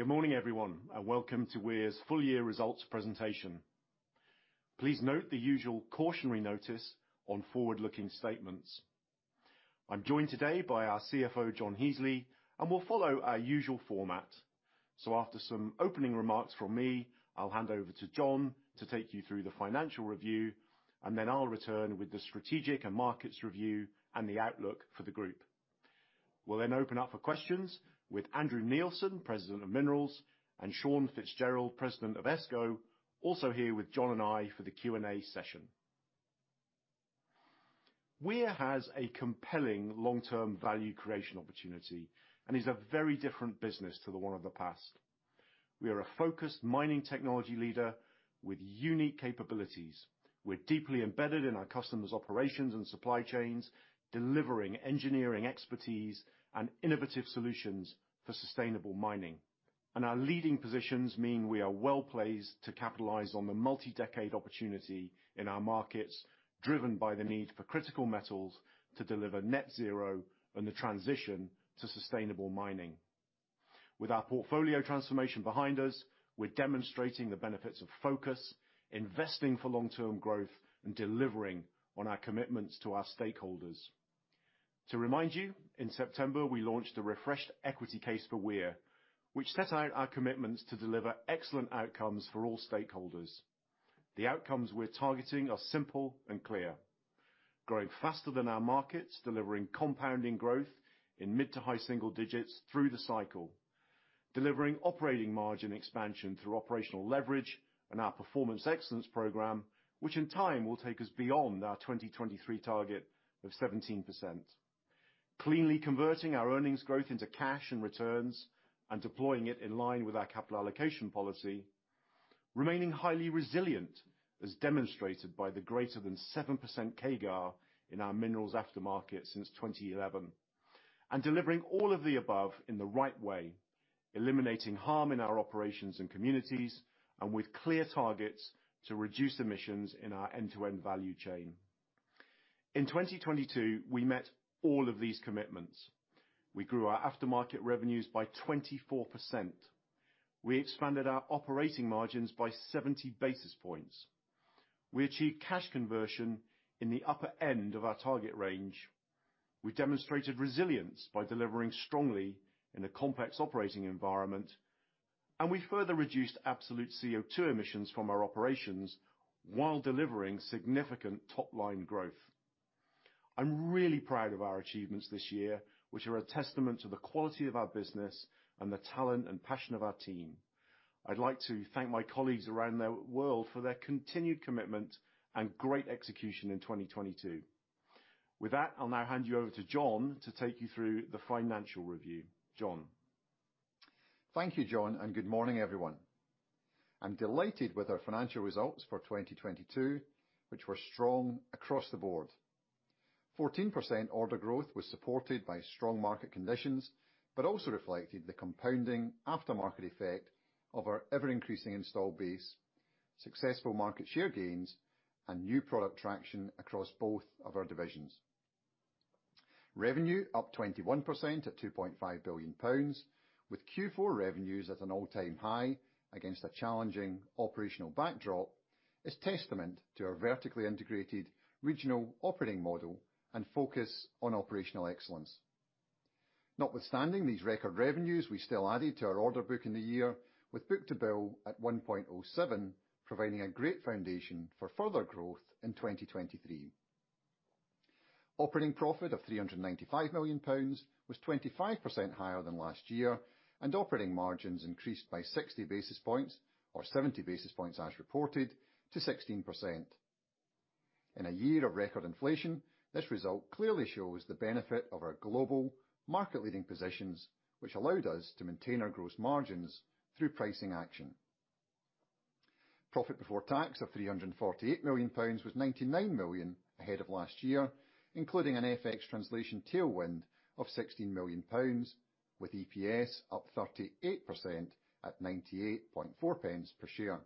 Good morning, everyone. Welcome to Weir's full year results presentation. Please note the usual cautionary notice on forward-looking statements. I'm joined today by our CFO, John Heasley, and we'll follow our usual format. After some opening remarks from me, I'll hand over to John to take you through the financial review, and then I'll return with the strategic and markets review and the outlook for the group. We'll open up for questions with Andrew Neilson, President of Minerals, and Sean Fitzgerald, President of ESCO, also here with John and I for the Q&A session. Weir has a compelling long-term value creation opportunity and is a very different business to the one of the past. We are a focused mining technology leader with unique capabilities. We're deeply embedded in our customers' operations and supply chains, delivering engineering expertise and innovative solutions for sustainable mining. Our leading positions mean we are well-placed to capitalize on the multi-decade opportunity in our markets, driven by the need for critical metals to deliver net zero and the transition to sustainable mining. With our portfolio transformation behind us, we're demonstrating the benefits of focus, investing for long-term growth, and delivering on our commitments to our stakeholders. To remind you, in September, we launched a refreshed equity case for Weir, which set out our commitments to deliver excellent outcomes for all stakeholders. The outcomes we're targeting are simple and clear: growing faster than our markets, delivering compounding growth in mid to high single digits through the cycle, delivering operating margin expansion through operational leverage and our Performance Excellence program, which in time will take us beyond our 2023 target of 17%. Cleanly converting our earnings growth into cash and returns and deploying it in line with our capital allocation policy. Remaining highly resilient, as demonstrated by the greater than 7% CAGR in our Minerals aftermarket since 2011. Delivering all of the above in the right way, eliminating harm in our operations and communities, and with clear targets to reduce emissions in our end-to-end value chain. In 2022, we met all of these commitments. We grew our aftermarket revenues by 24%. We expanded our operating margins by 70 basis points. We achieved cash conversion in the upper end of our target range. We demonstrated resilience by delivering strongly in a complex operating environment, and we further reduced absolute CO₂ emissions from our operations while delivering significant top-line growth. I'm really proud of our achievements this year, which are a testament to the quality of our business and the talent and passion of our team. I'd like to thank my colleagues around the world for their continued commitment and great execution in 2022. I'll now hand you over to John to take you through the financial review. John. Thank you, Jon. Good morning, everyone. I'm delighted with our financial results for 2022, which were strong across the board. 14% order growth was supported by strong market conditions, but also reflected the compounding aftermarket effect of our ever-increasing installed base, successful market share gains, and new product traction across both of our divisions. Revenue up 21% at 2.5 billion pounds with Q4 revenues at an all-time high against a challenging operational backdrop is testament to our vertically integrated regional operating model and focus on operational excellence. Notwithstanding these record revenues, we still added to our order book in the year with book-to-bill at 1.07, providing a great foundation for further growth in 2023. Operating profit of 395 million pounds was 25% higher than last year, and operating margins increased by 60 basis points or 70 basis points, as reported, to 16%. In a year of record inflation, this result clearly shows the benefit of our global market-leading positions, which allowed us to maintain our gross margins through pricing action. Profit before tax of 348 million pounds was 99 million ahead of last year, including an FX translation tailwind of 16 million pounds, with EPS up 38% at 0.984 per share.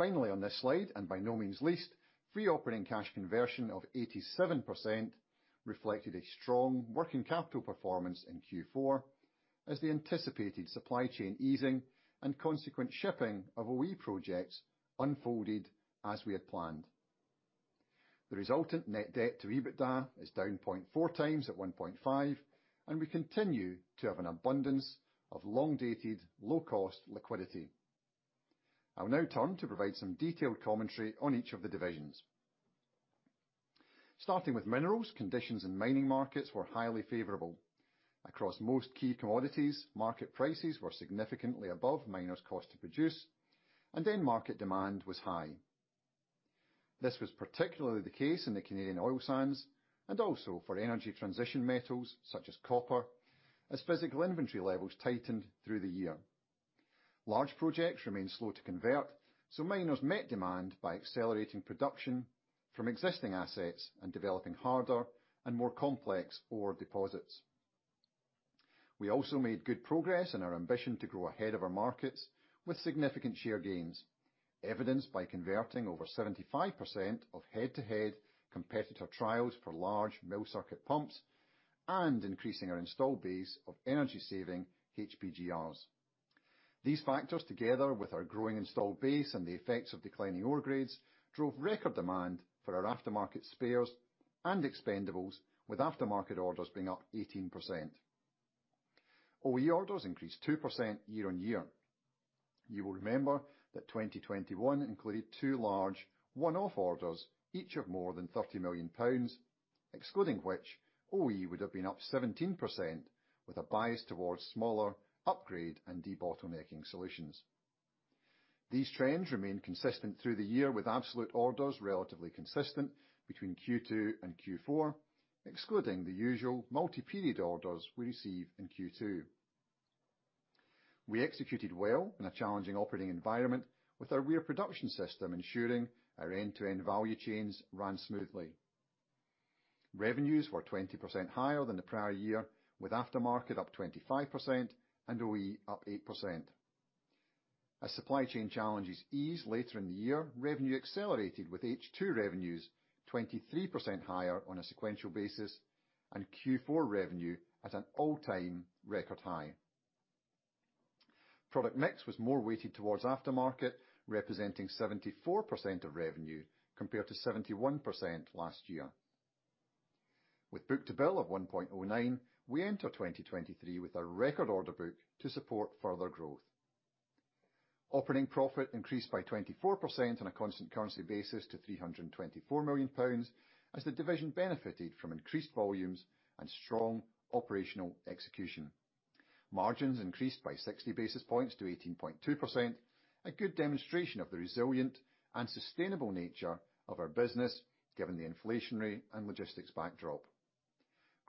On this slide, and by no means least, free operating cash conversion of 87% reflected a strong working capital performance in Q4 as the anticipated supply chain easing and consequent shipping of OE projects unfolded as we had planned. The resultant net debt to EBITDA is down 0.4 times at 1.5. We continue to have an abundance of long-dated, low-cost liquidity. I'll now turn to provide some detailed commentary on each of the divisions. Starting with Minerals, conditions in mining markets were highly favorable. Across most key commodities, market prices were significantly above miners' cost to produce. End market demand was high. This was particularly the case in the Canadian oil sands and also for energy transition metals such as copper, as physical inventory levels tightened through the year. Large projects remained slow to convert. Miners met demand by accelerating production from existing assets and developing harder and more complex ore deposits. We also made good progress in our ambition to grow ahead of our markets with significant share gains. Evidenced by converting over 75% of head-to-head competitor trials for large mill circuit pumps and increasing our install base of energy-saving HPGRs. These factors, together with our growing installed base and the effects of declining ore grades, drove record demand for our aftermarket spares and expendables, with aftermarket orders being up 18%. OE orders increased 2% year-on-year. You will remember that 2021 included two large one-off orders, each of more than 30 million pounds, excluding which OE would have been up 17% with a bias towards smaller upgrade and debottlenecking solutions. These trends remain consistent through the year, with absolute orders relatively consistent between Q2 and Q4, excluding the usual multi-period orders we receive in Q2. We executed well in a challenging operating environment with our Weir Production System, ensuring our end-to-end value chains ran smoothly. Revenues were 20% higher than the prior year, with aftermarket up 25% and OE up 8%. As supply chain challenges eased later in the year, revenue accelerated with H2 revenues 23% higher on a sequential basis and Q4 revenue at an all-time record high. Product mix was more weighted towards aftermarket, representing 74% of revenue compared to 71% last year. With book-to-bill of 1.09, we enter 2023 with a record order book to support further growth. Operating profit increased by 24% on a constant currency basis to 324 million pounds as the division benefited from increased volumes and strong operational execution. Margins increased by 60 basis points to 18.2%, a good demonstration of the resilient and sustainable nature of our business, given the inflationary and logistics backdrop.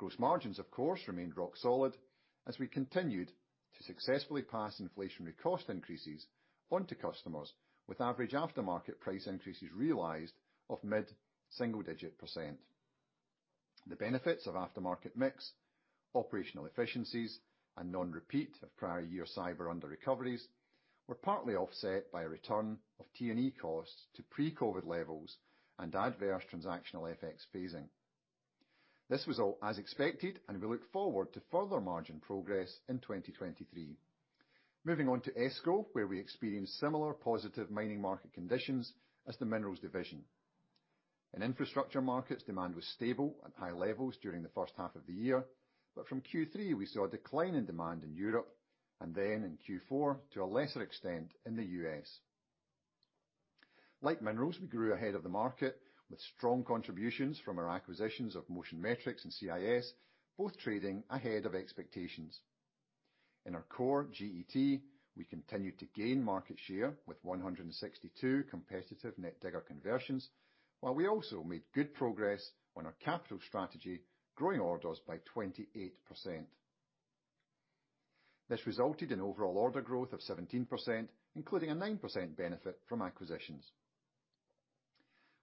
Gross margins, of course, remained rock solid as we continued to successfully pass inflationary cost increases onto customers with average aftermarket price increases realized of mid-single digit %. The benefits of aftermarket mix, operational efficiencies, and non-repeat of prior year cyber underrecoveries were partly offset by a return of T&E costs to pre-COVID-19 levels and adverse transactional FX phasing. This was all as expected, and we look forward to further margin progress in 2023. Moving on to ESCO, where we experienced similar positive mining market conditions as the Minerals division. In infrastructure markets, demand was stable at high levels during the first half of the year, but from Q3, we saw a decline in demand in Europe and then in Q4 to a lesser extent in the U.S. Like Minerals, we grew ahead of the market with strong contributions from our acquisitions of Motion Metrics and CIS, both trading ahead of expectations. In our core GET, we continued to gain market share with 162 competitive net digger conversions, while we also made good progress on our capital strategy, growing orders by 28%. This resulted in overall order growth of 17%, including a 9% benefit from acquisitions.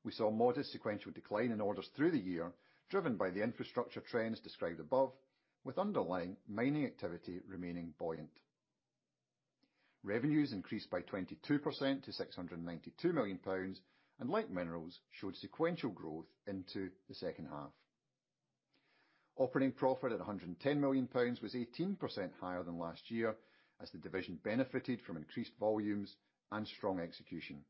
We saw modest sequential decline in orders through the year, driven by the infrastructure trends described above, with underlying mining activity remaining buoyant. Revenues increased by 22% to 692 million pounds. Like Minerals, showed sequential growth into the second half. Operating profit at 110 million pounds was 18% higher than last year as the division benefited from increased volumes and strong execution.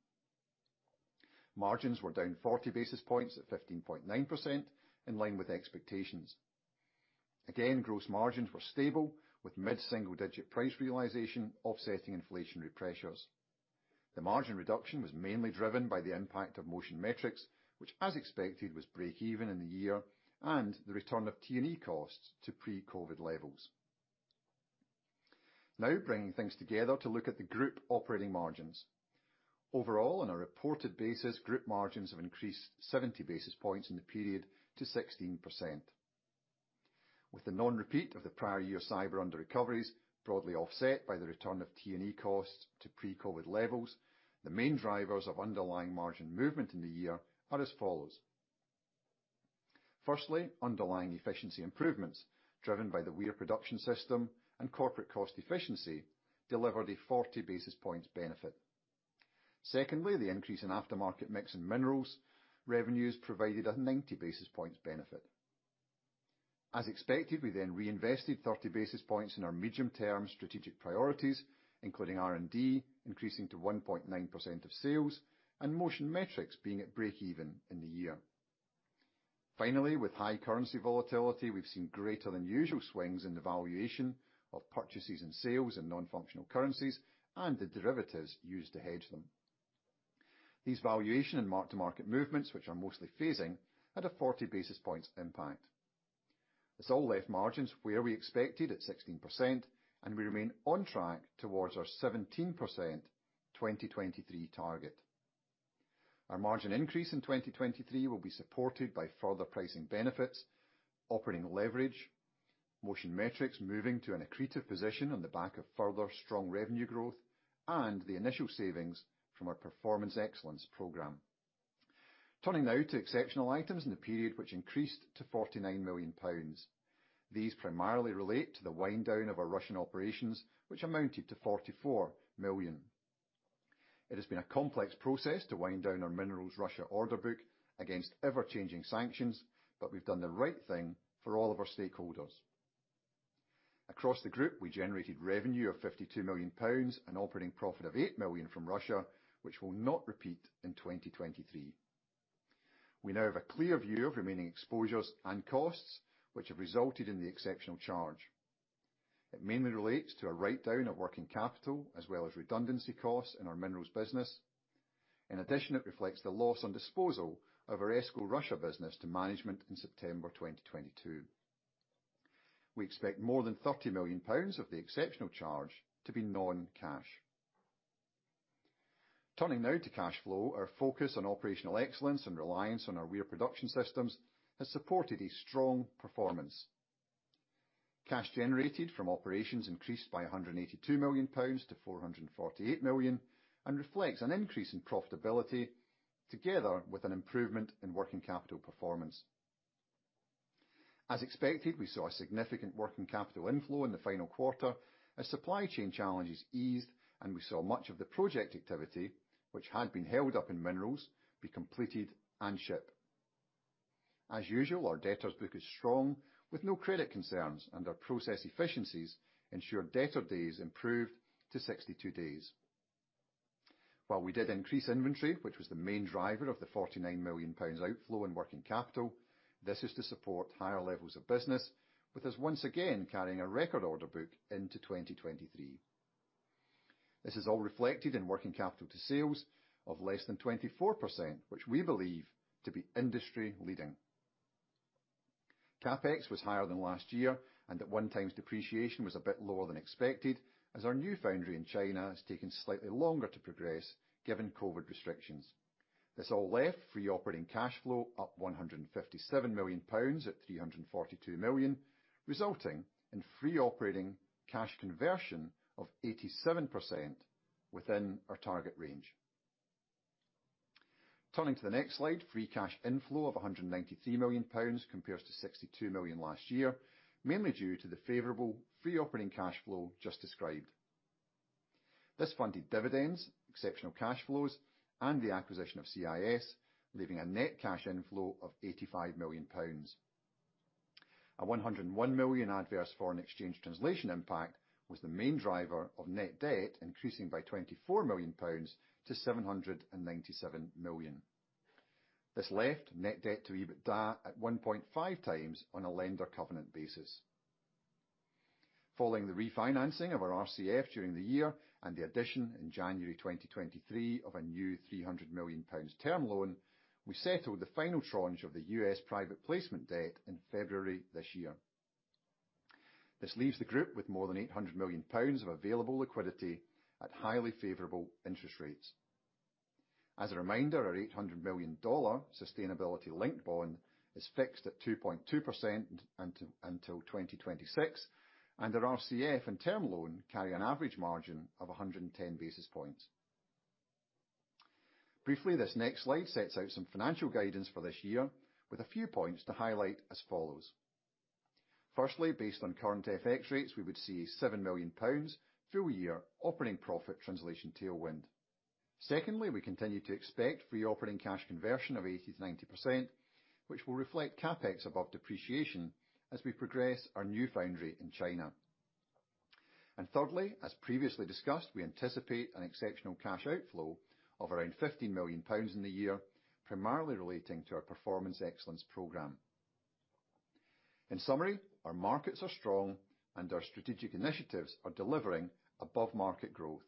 Margins were down 40 basis points at 15.9% in line with expectations. Gross margins were stable with mid-single digit price realization offsetting inflationary pressures. The margin reduction was mainly driven by the impact of Motion Metrics, which as expected, was break even in the year, and the return of T&E costs to pre-COVID levels. Bringing things together to look at the group operating margins. On a reported basis, group margins have increased 70 basis points in the period to 16%. With the non-repeat of the prior year cyber underrecoveries broadly offset by the return of T&E costs to pre-COVID levels, the main drivers of underlying margin movement in the year are as follows. Firstly, underlying efficiency improvements driven by the Weir Production System and corporate cost efficiency delivered a 40 basis points benefit. Secondly, the increase in aftermarket mix in Minerals revenues provided a 90 basis points benefit. As expected, we then reinvested 30 basis points in our medium-term strategic priorities, including R&D, increasing to 1.9% of sales, and Motion Metrics being at break even in the year. Finally, with high currency volatility, we've seen greater than usual swings in the valuation of purchases and sales in non-functional currencies and the derivatives used to hedge them. These valuation and mark-to-market movements, which are mostly phasing, had a 40 basis points impact. This all left margins where we expected at 16%. We remain on track towards our 17% 2023 target. Our margin increase in 2023 will be supported by further pricing benefits, operating leverage, Motion Metrics moving to an accretive position on the back of further strong revenue growth and the initial savings from our Performance Excellence program. Turning now to exceptional items in the period which increased to 49 million pounds. These primarily relate to the wind down of our Russian operations, which amounted to 44 million. It has been a complex process to wind down our Minerals Russia order book against ever-changing sanctions, but we've done the right thing for all of our stakeholders. Across the group, we generated revenue of 52 million pounds and operating profit of 8 million from Russia, which will not repeat in 2023. We now have a clear view of remaining exposures and costs, which have resulted in the exceptional charge. It mainly relates to a write down of working capital as well as redundancy costs in our Minerals business. In addition, it reflects the loss on disposal of our ESCO Russia business to management in September 2022. We expect more than 30 million pounds of the exceptional charge to be non-cash. Turning now to cash flow. Our focus on Performance Excellence and reliance on our Weir Production System has supported a strong performance. Cash generated from operations increased by 182 million pounds to 448 million and reflects an increase in profitability together with an improvement in working capital performance. As expected, we saw a significant working capital inflow in the final quarter as supply chain challenges eased. We saw much of the project activity, which had been held up in Minerals, be completed and ship. As usual, our debtors book is strong, with no credit concerns. Our process efficiencies ensure debtor days improved to 62 days. While we did increase inventory, which was the main driver of the 49 million pounds outflow in working capital, this is to support higher levels of business with us once again carrying a record order book into 2023. This is all reflected in working capital to sales of less than 24%, which we believe to be industry-leading. CapEx was higher than last year, and at one times depreciation was a bit lower than expected as our new foundry in China has taken slightly longer to progress given COVID restrictions. This all left free operating cash flow up 157 million pounds at 342 million, resulting in free operating cash conversion of 87% within our target range. Turning to the next slide, free cash inflow of 193 million pounds compares to 62 million last year, mainly due to the favorable free operating cash flow just described. This funded dividends, exceptional cash flows, and the acquisition of CIS, leaving a net cash inflow of 85 million pounds. A 101 million adverse foreign exchange translation impact was the main driver of net debt, increasing by 24 million pounds to 797 million. This left net debt to EBITDA at 1.5 times on a lender covenant basis. Following the refinancing of our RCF during the year and the addition in January 2023 of a new 300 million pounds term loan, we settled the final tranche of the U.S. private placement debt in February this year. This leaves the group with more than 800 million pounds of available liquidity at highly favorable interest rates. As a reminder, our $800 million sustainability linked bond is fixed at 2.2% until 2026, and our RCF and term loan carry an average margin of 110 basis points. Briefly, this next slide sets out some financial guidance for this year with a few points to highlight as follows. Firstly, based on current FX rates, we would see 7 million pounds full year operating profit translation tailwind. Secondly, we continue to expect free operating cash conversion of 80%-90%, which will reflect CapEx above depreciation as we progress our new foundry in China. Thirdly, as previously discussed, we anticipate an exceptional cash outflow of around 15 million pounds in the year, primarily relating to our Performance Excellence program. In summary, our markets are strong, and our strategic initiatives are delivering above-market growth.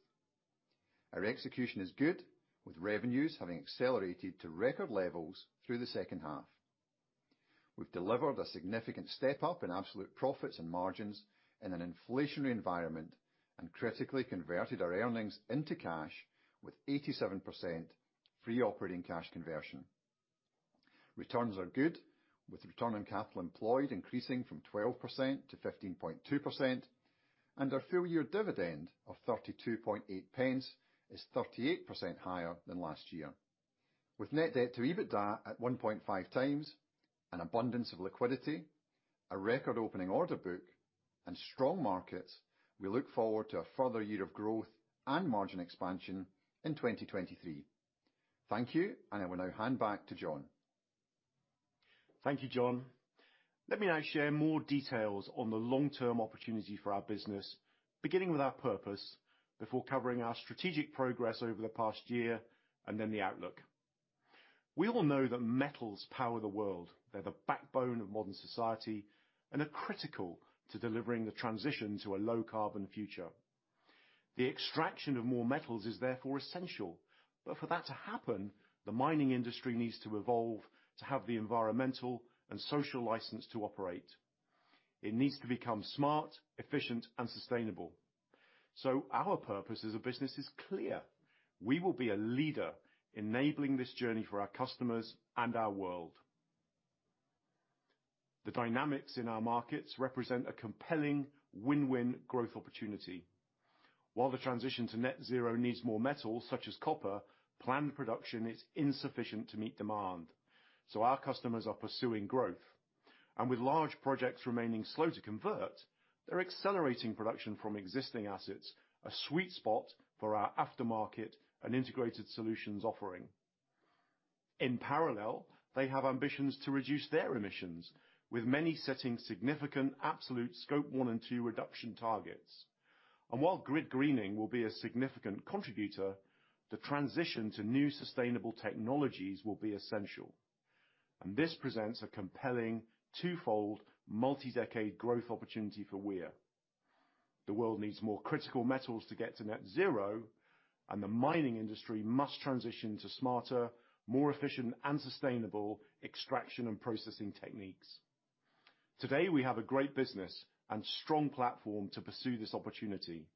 Our execution is good, with revenues having accelerated to record levels through the second half. We've delivered a significant step up in absolute profits and margins in an inflationary environment, and critically converted our earnings into cash with 87% free operating cash conversion. Returns are good, with return on capital employed increasing from 12%-15.2%, and our full year dividend of 0.328 is 38% higher than last year. With net debt to EBITDA at 1.5x an abundance of liquidity, a record opening order book, and strong markets, we look forward to a further year of growth and margin expansion in 2023. Thank you, and I will now hand back to Jon. Thank you, John. Let me now share more details on the long-term opportunity for our business, beginning with our purpose before covering our strategic progress over the past year and then the outlook. We all know that metals power the world. They're the backbone of modern society and are critical to delivering the transition to a low carbon future. The extraction of more metals is therefore essential. For that to happen, the mining industry needs to evolve to have the environmental and social license to operate. It needs to become smart, efficient and sustainable. Our purpose as a business is clear. We will be a leader enabling this journey for our customers and our world. The dynamics in our markets represent a compelling win-win growth opportunity. The transition to net zero needs more metal, such as copper, planned production is insufficient to meet demand, so our customers are pursuing growth. With large projects remaining slow to convert, they're accelerating production from existing assets, a sweet spot for our aftermarket and integrated solutions offering. In parallel, they have ambitions to reduce their emissions, with many setting significant absolute Scope 1 and 2 reduction targets. While grid greening will be a significant contributor, the transition to new sustainable technologies will be essential, and this presents a compelling two-fold multi-decade growth opportunity for Weir. The world needs more critical metals to get to net zero, and the mining industry must transition to smarter, more efficient, and sustainable extraction and processing techniques. Today, we have a great business and strong platform to pursue this opportunity.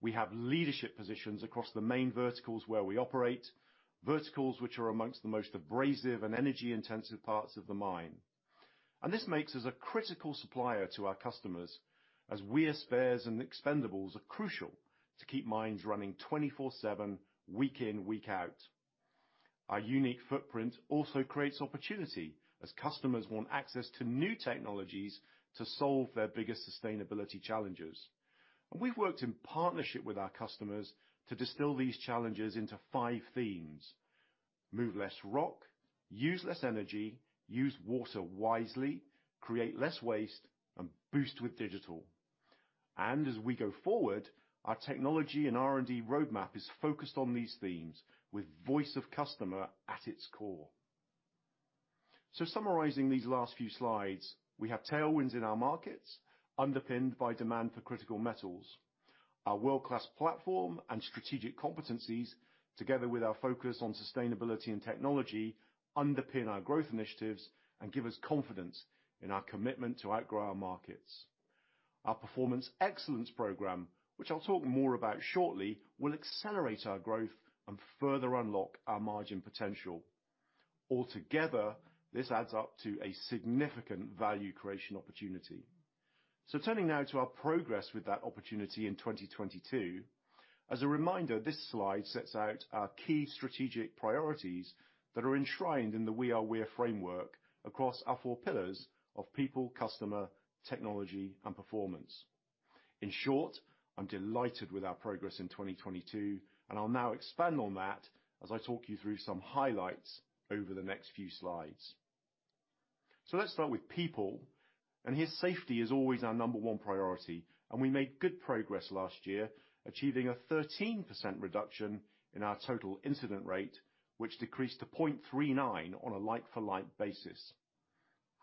We have leadership positions across the main verticals where we operate, verticals which are amongst the most abrasive and energy-intensive parts of the mine. This makes us a critical supplier to our customers, as Weir spares and expendables are crucial to keep mines running 24/7, week in, week out. Our unique footprint also creates opportunity as customers want access to new technologies to solve their biggest sustainability challenges. We've worked in partnership with our customers to distill these challenges into five themes: move less rock, use less energy, use water wisely, create less waste, and boost with digital. As we go forward, our technology and R&D roadmap is focused on these themes with voice of customer at its core. Summarizing these last few slides, we have tailwinds in our markets underpinned by demand for critical metals. Our world-class platform and strategic competencies, together with our focus on sustainability and technology, underpin our growth initiatives and give us confidence in our commitment to outgrow our markets. Our Performance Excellence program, which I'll talk more about shortly, will accelerate our growth and further unlock our margin potential. Altogether, this adds up to a significant value creation opportunity. Turning now to our progress with that opportunity in 2022, as a reminder, this slide sets out our key strategic priorities that are enshrined in the We are Weir framework across our four pillars of people, customer, technology, and performance. In short, I'm delighted with our progress in 2022, and I'll now expand on that as I talk you through some highlights over the next few slides. Let's start with people, and here safety is always our number one priority, and we made good progress last year, achieving a 13% reduction in our total incident rate, which decreased to 0.39 on a like-for-like basis.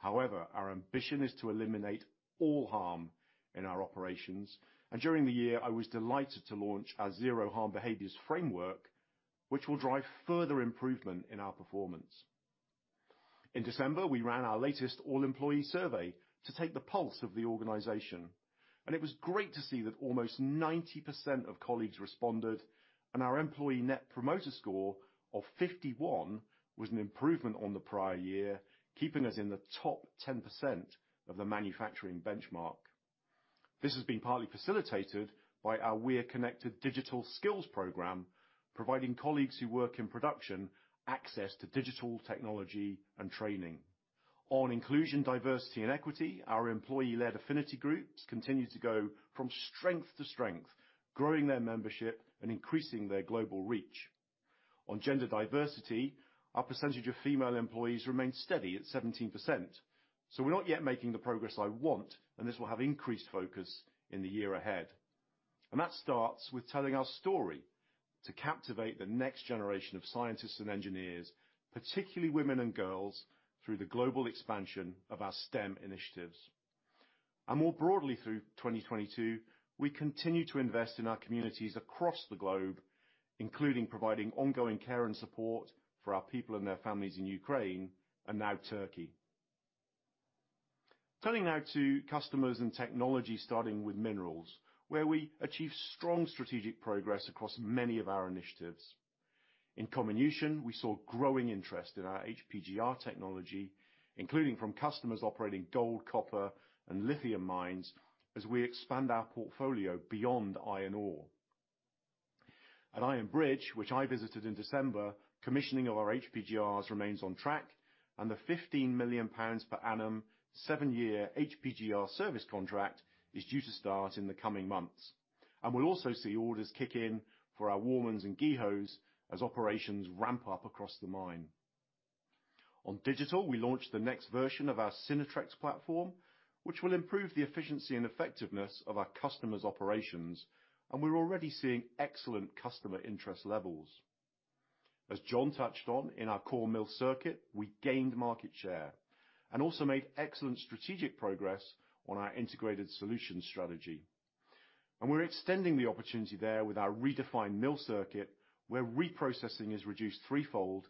However, our ambition is to eliminate all harm in our operations, and during the year, I was delighted to launch our Zero Harm Behaviours Framework, which will drive further improvement in our performance. In December, we ran our latest all-employee survey to take the pulse of the organization, and it was great to see that almost 90% of colleagues responded, and our employee net promoter score of 51 was an improvement on the prior year, keeping us in the top 10% of the manufacturing benchmark. This has been partly facilitated by our Weir Connected Digital Skills program, providing colleagues who work in production access to digital technology and training. On inclusion, diversity, and equity, our employee-led affinity groups continue to go from strength to strength, growing their membership and increasing their global reach. On gender diversity, our percentage of female employees remains steady at 17%. We're not yet making the progress I want, and this will have increased focus in the year ahead. That starts with telling our story to captivate the next generation of scientists and engineers, particularly women and girls, through the global expansion of our STEM initiatives. More broadly, through 2022, we continue to invest in our communities across the globe, including providing ongoing care and support for our people and their families in Ukraine and now Turkey. Turning now to customers and technology, starting with Minerals, where we achieved strong strategic progress across many of our initiatives. In comminution, we saw growing interest in our HPGR technology, including from customers operating gold, copper, and lithium mines as we expand our portfolio beyond iron ore. At Iron Bridge, which I visited in December, commissioning of our HPGRs remains on track, and the 15 million pounds per annum seven-year HPGR service contract is due to start in the coming months. We'll also see orders kick in for our Warman and GEHOs as operations ramp up across the mine. On digital, we launched the next version of our Synertrex platform, which will improve the efficiency and effectiveness of our customers' operations, and we're already seeing excellent customer interest levels. As John touched on, in our core mill circuit, we gained market share and also made excellent strategic progress on our Integrated Solutions Strategy. We're extending the opportunity there with our redefined mill circuit, where reprocessing is reduced threefold,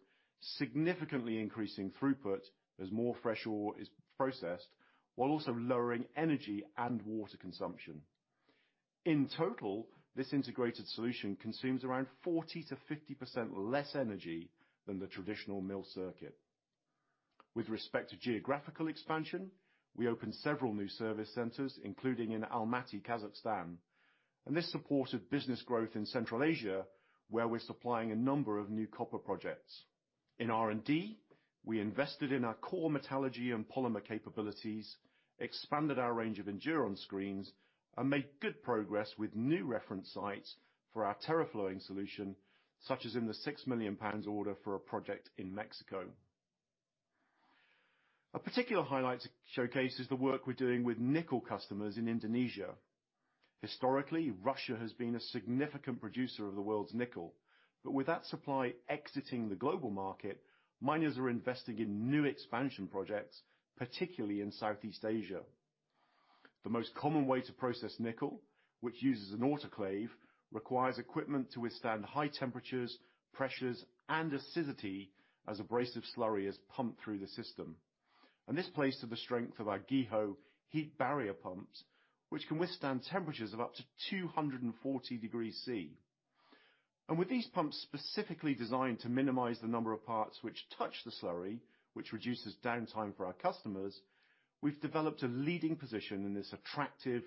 significantly increasing throughput as more fresh ore is processed, while also lowering energy and water consumption. In total, this integrated solution consumes around 40%-50% less energy than the traditional mill circuit. With respect to geographical expansion, we opened several new service centers, including in Almaty, Kazakhstan. This supported business growth in Central Asia, where we're supplying a number of new copper projects. In R&D, we invested in our core metallurgy and polymer capabilities, expanded our range of Enduron screens, and made good progress with new reference sites for our TerraFlowing solution, such as in the 6 million pounds order for a project in Mexico. A particular highlight to showcase is the work we're doing with nickel customers in Indonesia. Historically, Russia has been a significant producer of the world's nickel. With that supply exiting the global market, miners are investing in new expansion projects, particularly in Southeast Asia. The most common way to process nickel, which uses an autoclave, requires equipment to withstand high temperatures, pressures, and acidity as abrasive slurry is pumped through the system. This plays to the strength of our GEHO heat barrier pumps, which can withstand temperatures of up to 240 degrees Celsius. With these pumps specifically designed to minimize the number of parts which touch the slurry, which reduces downtime for our customers, we've developed a leading position in this attractive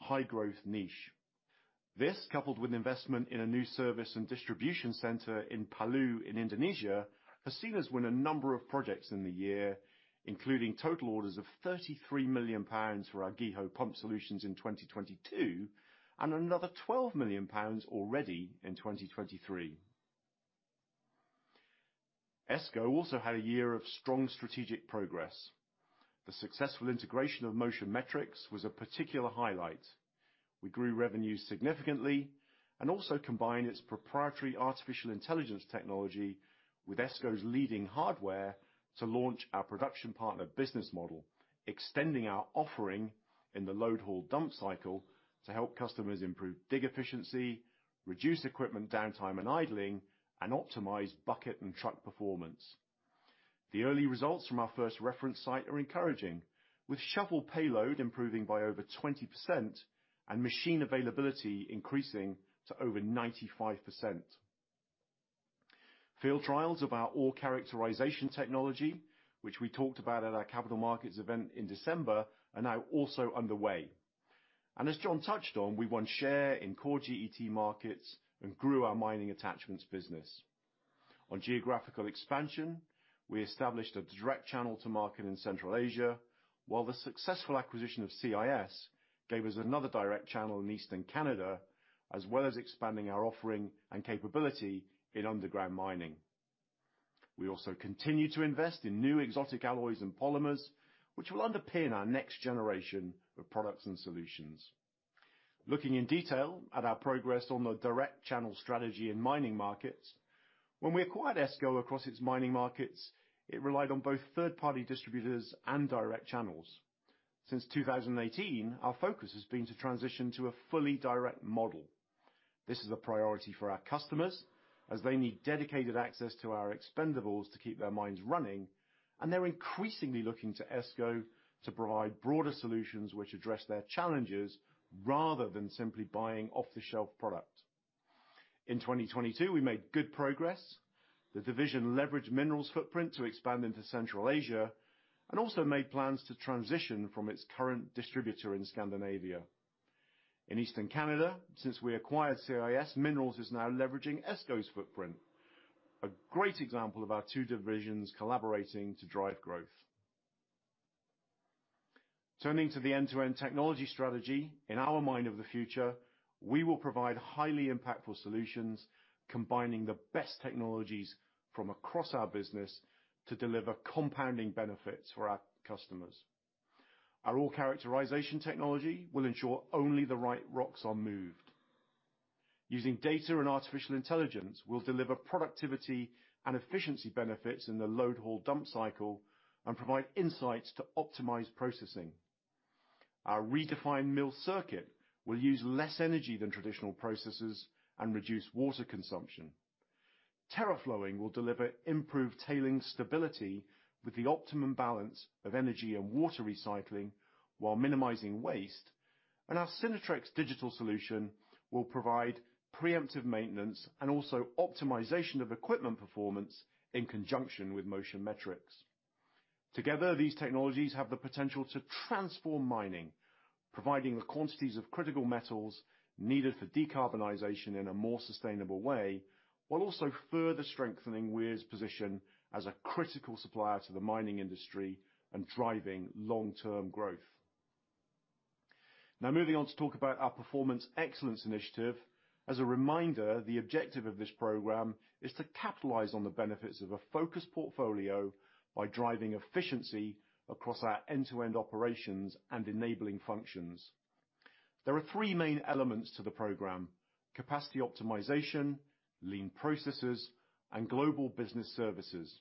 high-growth niche. This, coupled with investment in a new service and distribution center in Palu in Indonesia, has seen us win a number of projects in the year, including total orders of 33 million pounds for our GEHO pump solutions in 2022, and another 12 million pounds already in 2023. ESCO also had a year of strong strategic progress. The successful integration of Motion Metrics was a particular highlight. We grew revenue significantly and also combined its proprietary artificial intelligence technology with ESCO's leading hardware to launch our Production Partner business model, extending our offering in the Load Haul Dump cycle to help customers improve dig efficiency, reduce equipment downtime and idling, and optimize bucket and truck performance. The early results from our first reference site are encouraging, with shovel payload improving by over 20% and machine availability increasing to over 95%. Field trials of our ore characterization technology, which we talked about at our capital markets event in December, are now also underway. As John touched on, we won share in core GET markets and grew our mining attachments business. On geographical expansion, we established a direct channel to market in Central Asia, while the successful acquisition of CIS gave us another direct channel in Eastern Canada, as well as expanding our offering and capability in underground mining. We also continue to invest in new exotic alloys and polymers, which will underpin our next generation of products and solutions. Looking in detail at our progress on the direct channel strategy in mining markets, when we acquired ESCO across its mining markets, it relied on both third-party distributors and direct channels. Since 2018, our focus has been to transition to a fully direct model. This is a priority for our customers, as they need dedicated access to our expendables to keep their mines running, they're increasingly looking to ESCO to provide broader solutions which address their challenges rather than simply buying off-the-shelf product. In 2022, we made good progress. The division leveraged Minerals footprint to expand into Central Asia and also made plans to transition from its current distributor in Scandinavia. In Eastern Canada, since we acquired CIS, Minerals is now leveraging ESCO's footprint. A great example of our two divisions collaborating to drive growth. Turning to the end-to-end technology strategy, in our mine of the future, we will provide highly impactful solutions, combining the best technologies from across our business to deliver compounding benefits for our customers. Our ore characterization technology will ensure only the right rocks are moved. Using data and artificial intelligence, we'll deliver productivity and efficiency benefits in the Load Haul Dump cycle and provide insights to optimize processing. Our redefined mill circuit will use less energy than traditional processes and reduce water consumption. TerraFlowing will deliver improved tailings stability with the optimum balance of energy and water recycling while minimizing waste. Our Synertrex digital solution will provide preemptive maintenance and also optimization of equipment performance in conjunction with Motion Metrics. Together, these technologies have the potential to transform mining, providing the quantities of critical metals needed for decarbonization in a more sustainable way, while also further strengthening Weir's position as a critical supplier to the mining industry and driving long-term growth. Now moving on to talk about our Performance Excellence initiative. As a reminder, the objective of this program is to capitalize on the benefits of a focused portfolio by driving efficiency across our end-to-end operations and enabling functions. There are three main elements to the program: capacity optimization, lean processes, and Global Business Services.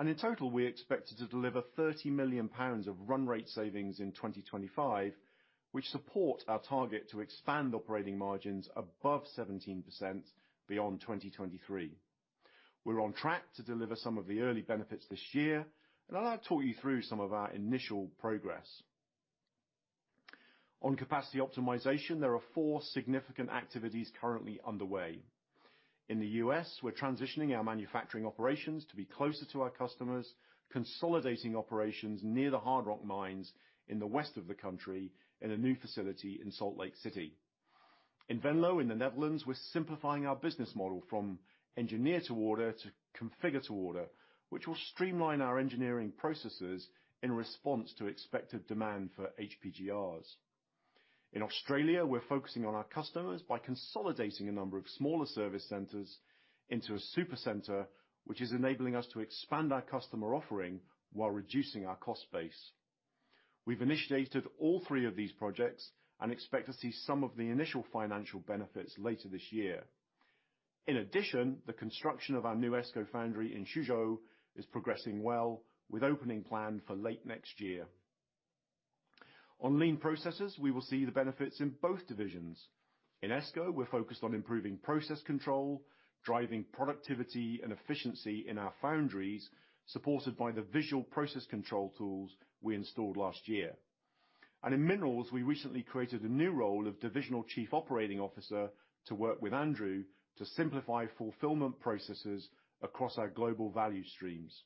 In total, we expected to deliver 30 million pounds of run rate savings in 2025, which support our target to expand operating margins above 17% beyond 2023. We're on track to deliver some of the early benefits this year, and I'll now talk you through some of our initial progress. On capacity optimization, there are four significant activities currently underway. In the U.S., we're transitioning our manufacturing operations to be closer to our customers, consolidating operations near the hard rock mines in the west of the country, in a new facility in Salt Lake City. In Venlo, in the Netherlands, we're simplifying our business model from engineer-to-order to Configure-to-Order, which will streamline our engineering processes in response to expected demand for HPGRs. In Australia, we're focusing on our customers by consolidating a number of smaller service centers into a super center, which is enabling us to expand our customer offering while reducing our cost base. We've initiated all three of these projects and expect to see some of the initial financial benefits later this year. In addition, the construction of our new ESCO foundry in Suzhou is progressing well, with opening planned for late next year. On lean processes, we will see the benefits in both divisions. In ESCO, we're focused on improving process control, driving productivity and efficiency in our foundries, supported by the visual process control tools we installed last year. In Minerals, we recently created a new role of divisional chief operating officer to work with Andrew to simplify fulfillment processes across our global value streams.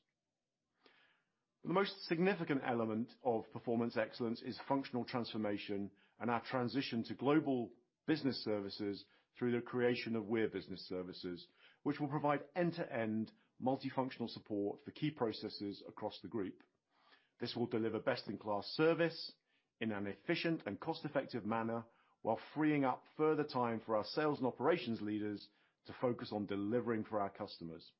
The most significant element of Performance Excellence is functional transformation and our transition to Global Business Services through the creation of Weir Business Services, which will provide end-to-end multifunctional support for key processes across the Group. This will deliver best-in-class service in an efficient and cost-effective manner while freeing up further time for our sales and operations leaders to focus on delivering for our customers.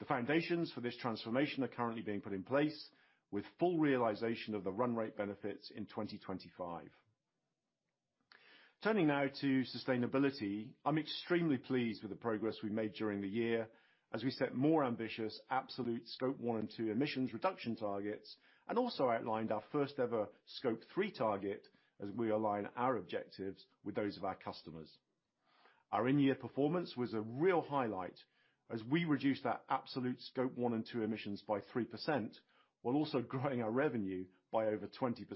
The foundations for this transformation are currently being put in place with full realization of the run rate benefits in 2025. Turning now to sustainability. I'm extremely pleased with the progress we made during the year as we set more ambitious absolute Scope 1 and 2 emissions reduction targets, and also outlined our first ever Scope 3 target as we align our objectives with those of our customers. Our in-year performance was a real highlight as we reduced our absolute Scope 1 and 2 emissions by 3% while also growing our revenue by over 20%.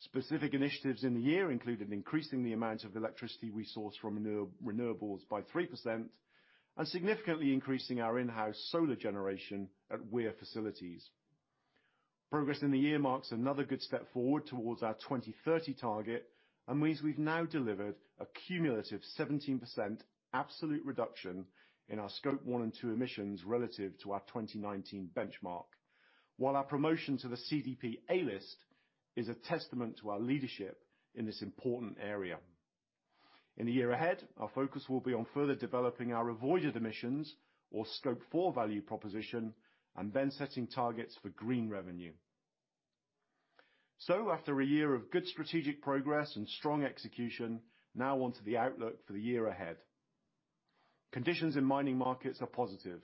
Specific initiatives in the year included increasing the amount of electricity we source from renewables by 3%, and significantly increasing our in-house solar generation at Weir facilities. Progress in the year marks another good step forward towards our 2030 target, and means we've now delivered a cumulative 17% absolute reduction in our Scope 1 and 2 emissions relative to our 2019 benchmark. While our promotion to the CDP A-list is a testament to our leadership in this important area. In the year ahead, our focus will be on further developing our avoided emissions or Scope 4 value proposition, and then setting targets for green revenue. After a year of good strategic progress and strong execution, now on to the outlook for the year ahead. Conditions in mining markets are positive,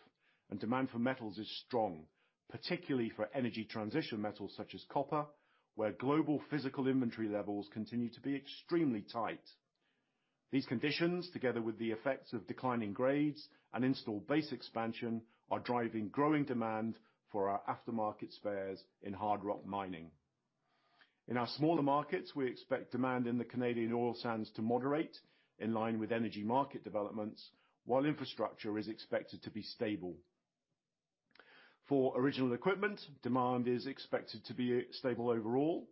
and demand for metals is strong, particularly for energy transition metals such as copper, where global physical inventory levels continue to be extremely tight. These conditions, together with the effects of declining grades and installed base expansion, are driving growing demand for our aftermarket spares in hard rock mining. In our smaller markets, we expect demand in the Canadian oil sands to moderate in line with energy market developments, while infrastructure is expected to be stable. For original equipment, demand is expected to be stable overall.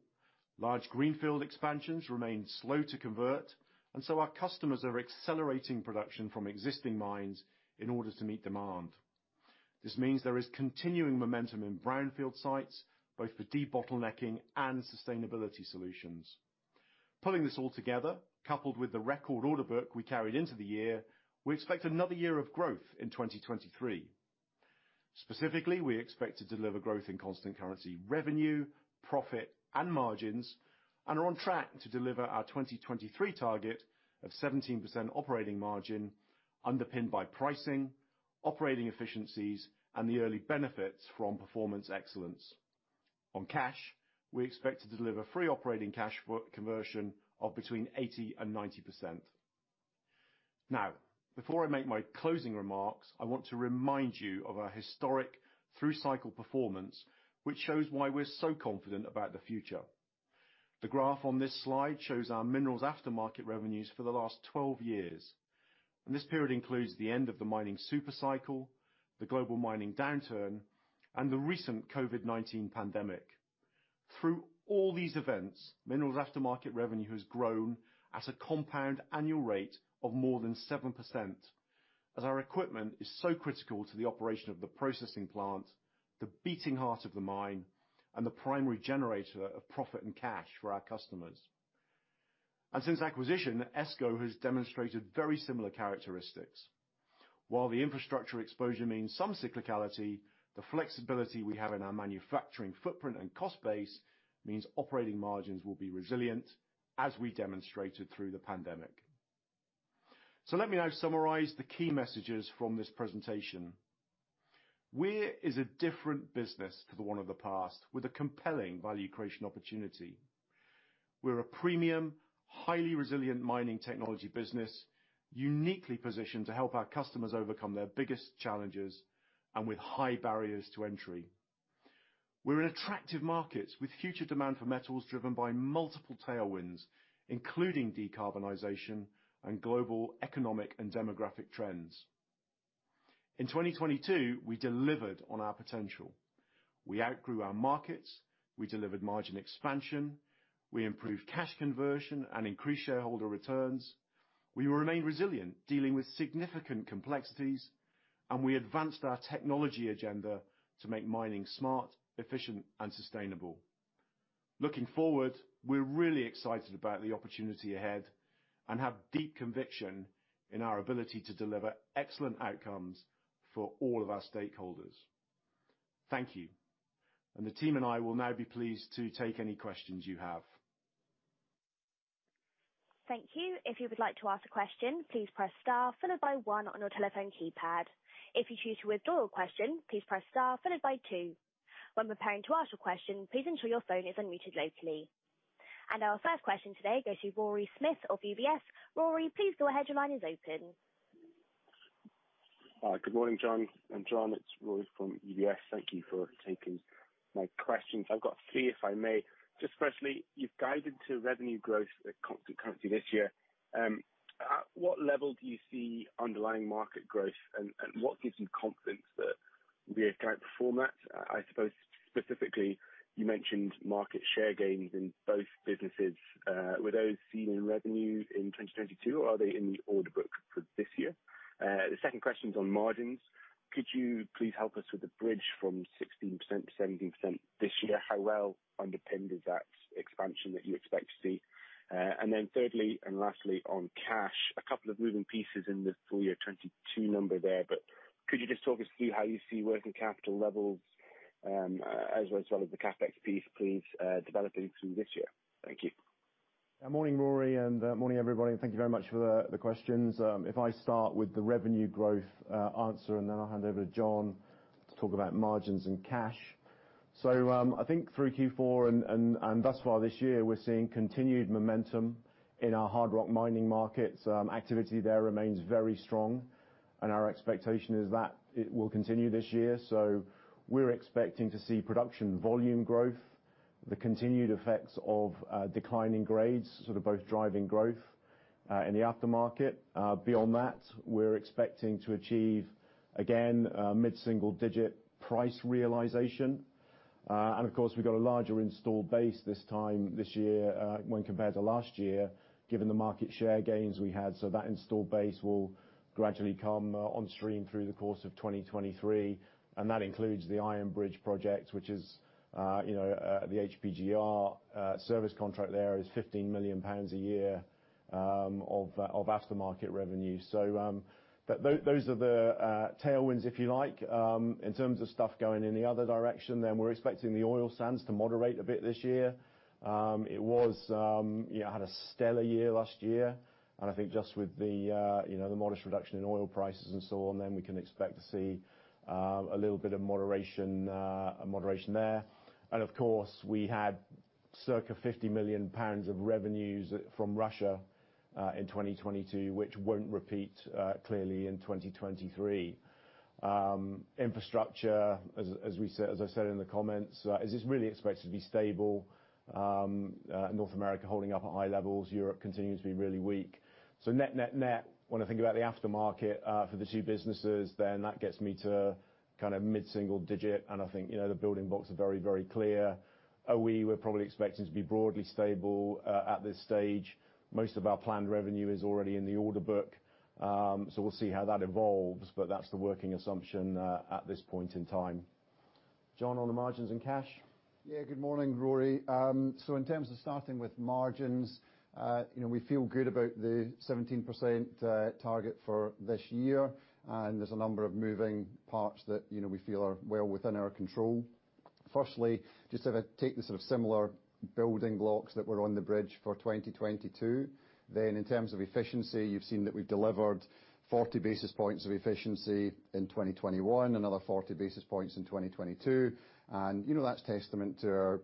Large greenfield expansions remain slow to convert, and so our customers are accelerating production from existing mines in order to meet demand. This means there is continuing momentum in brownfield sites, both for debottlenecking and sustainability solutions. Pulling this all together, coupled with the record order book we carried into the year, we expect another year of growth in 2023. Specifically, we expect to deliver growth in constant currency, revenue, profit and margins, and are on track to deliver our 2023 target of 17% operating margin, underpinned by pricing, operating efficiencies and the early benefits from Performance Excellence. On cash, we expect to deliver free operating cash for conversion of between 80% and 90%. Before I make my closing remarks, I want to remind you of our historic through-cycle performance, which shows why we're so confident about the future. The graph on this slide shows our Minerals aftermarket revenues for the last 12 years. This period includes the end of the mining super cycle, the global mining downturn, and the recent COVID-19 pandemic. Through all these events, Minerals aftermarket revenue has grown at a compound annual rate of more than 7%, as our equipment is so critical to the operation of the processing plant, the beating heart of the mine, and the primary generator of profit and cash for our customers. Since acquisition, ESCO has demonstrated very similar characteristics. While the infrastructure exposure means some cyclicality, the flexibility we have in our manufacturing footprint and cost base means operating margins will be resilient as we demonstrated through the pandemic. Let me now summarize the key messages from this presentation. Weir is a different business to the one of the past with a compelling value creation opportunity. We're a premium, highly resilient mining technology business, uniquely positioned to help our customers overcome their biggest challenges and with high barriers to entry. We're in attractive markets with future demand for metals driven by multiple tailwinds, including decarbonization and global economic and demographic trends. In 2022, we delivered on our potential. We outgrew our markets, we delivered margin expansion, we improved cash conversion and increased shareholder returns. We remained resilient, dealing with significant complexities, and we advanced our technology agenda to make mining smart, efficient, and sustainable. Looking forward, we're really excited about the opportunity ahead and have deep conviction in our ability to deliver excellent outcomes for all of our stakeholders. Thank you. The team and I will now be pleased to take any questions you have. Thank you. If you would like to ask a question, please press star followed by 1 on your telephone keypad. If you choose to withdraw your question, please press star followed by 2. When preparing to ask your question, please ensure your phone is unmuted locally. Our first question today goes to Rory Smith of UBS. Rory, please go ahead. Your line is open. Good morning, John and Jon. It's Rory from UBS. Thank you for taking my questions. I've got three, if I may. Just firstly, you've guided to revenue growth at constancy this year. At what level do you see underlying market growth? What gives you confidence that you'll be able to kind of perform that? I suppose specifically, you mentioned market share gains in both businesses. Were those seen in revenue in 2022, or are they in the order book for this year? The second question's on margins. Could you please help us with the bridge from 16%-17% this year? How well underpinned is that expansion that you expect to see? Then thirdly, and lastly, on cash, a couple of moving pieces in the full year 2022 number there, could you just talk us through how you see working capital levels, as well as some of the CapEx piece, please, developing through this year? Thank you. Morning, Rory, morning, everybody, and thank you very much for the questions. If I start with the revenue growth answer, and then I'll hand over to John to talk about margins and cash. I think through Q4 and, and thus far this year, we're seeing continued momentum in our hard rock mining markets. Activity there remains very strong, and our expectation is that it will continue this year. We're expecting to see production volume growth, the continued effects of declining grades, sort of both driving growth in the aftermarket. Beyond that, we're expecting to achieve, again, a mid-single digit price realization. Of course, we've got a larger installed base this time this year, when compared to last year, given the market share gains we had, so that installed base will gradually come on stream through the course of 2023, and that includes the Iron Bridge project, which is, you know, the HPGR service contract there is 15 million pounds a year, of aftermarket revenue. Those are the tailwinds, if you like. In terms of stuff going in the other direction, we're expecting the oil sands to moderate a bit this year. It was, you know, had a stellar year last year. I think just with the, you know, the modest reduction in oil prices and so on, we can expect to see a little bit of moderation there. Of course, we had circa 50 million pounds of revenues from Russia in 2022, which won't repeat clearly in 2023. Infrastructure, as we said, as I said in the comments, is just really expected to be stable, North America holding up at high levels, Europe continues to be really weak. Net, net, when I think about the aftermarket for the two businesses, that gets me to kind of mid-single digit. I think, you know, the building blocks are very, very clear. OE, we're probably expecting to be broadly stable. At this stage, most of our planned revenue is already in the order book, so we'll see how that evolves, but that's the working assumption at this point in time. John, on the margins and cash. Good morning, Rory. In terms of starting with margins, you know, we feel good about the 17% target for this year. There's a number of moving parts that, you know, we feel are well within our control. Firstly, just sort of take the sort of similar building blocks that were on the bridge for 2022. In terms of efficiency, you've seen that we've delivered 40 basis points of efficiency in 2021, another 40 basis points in 2022. You know, that's testament to our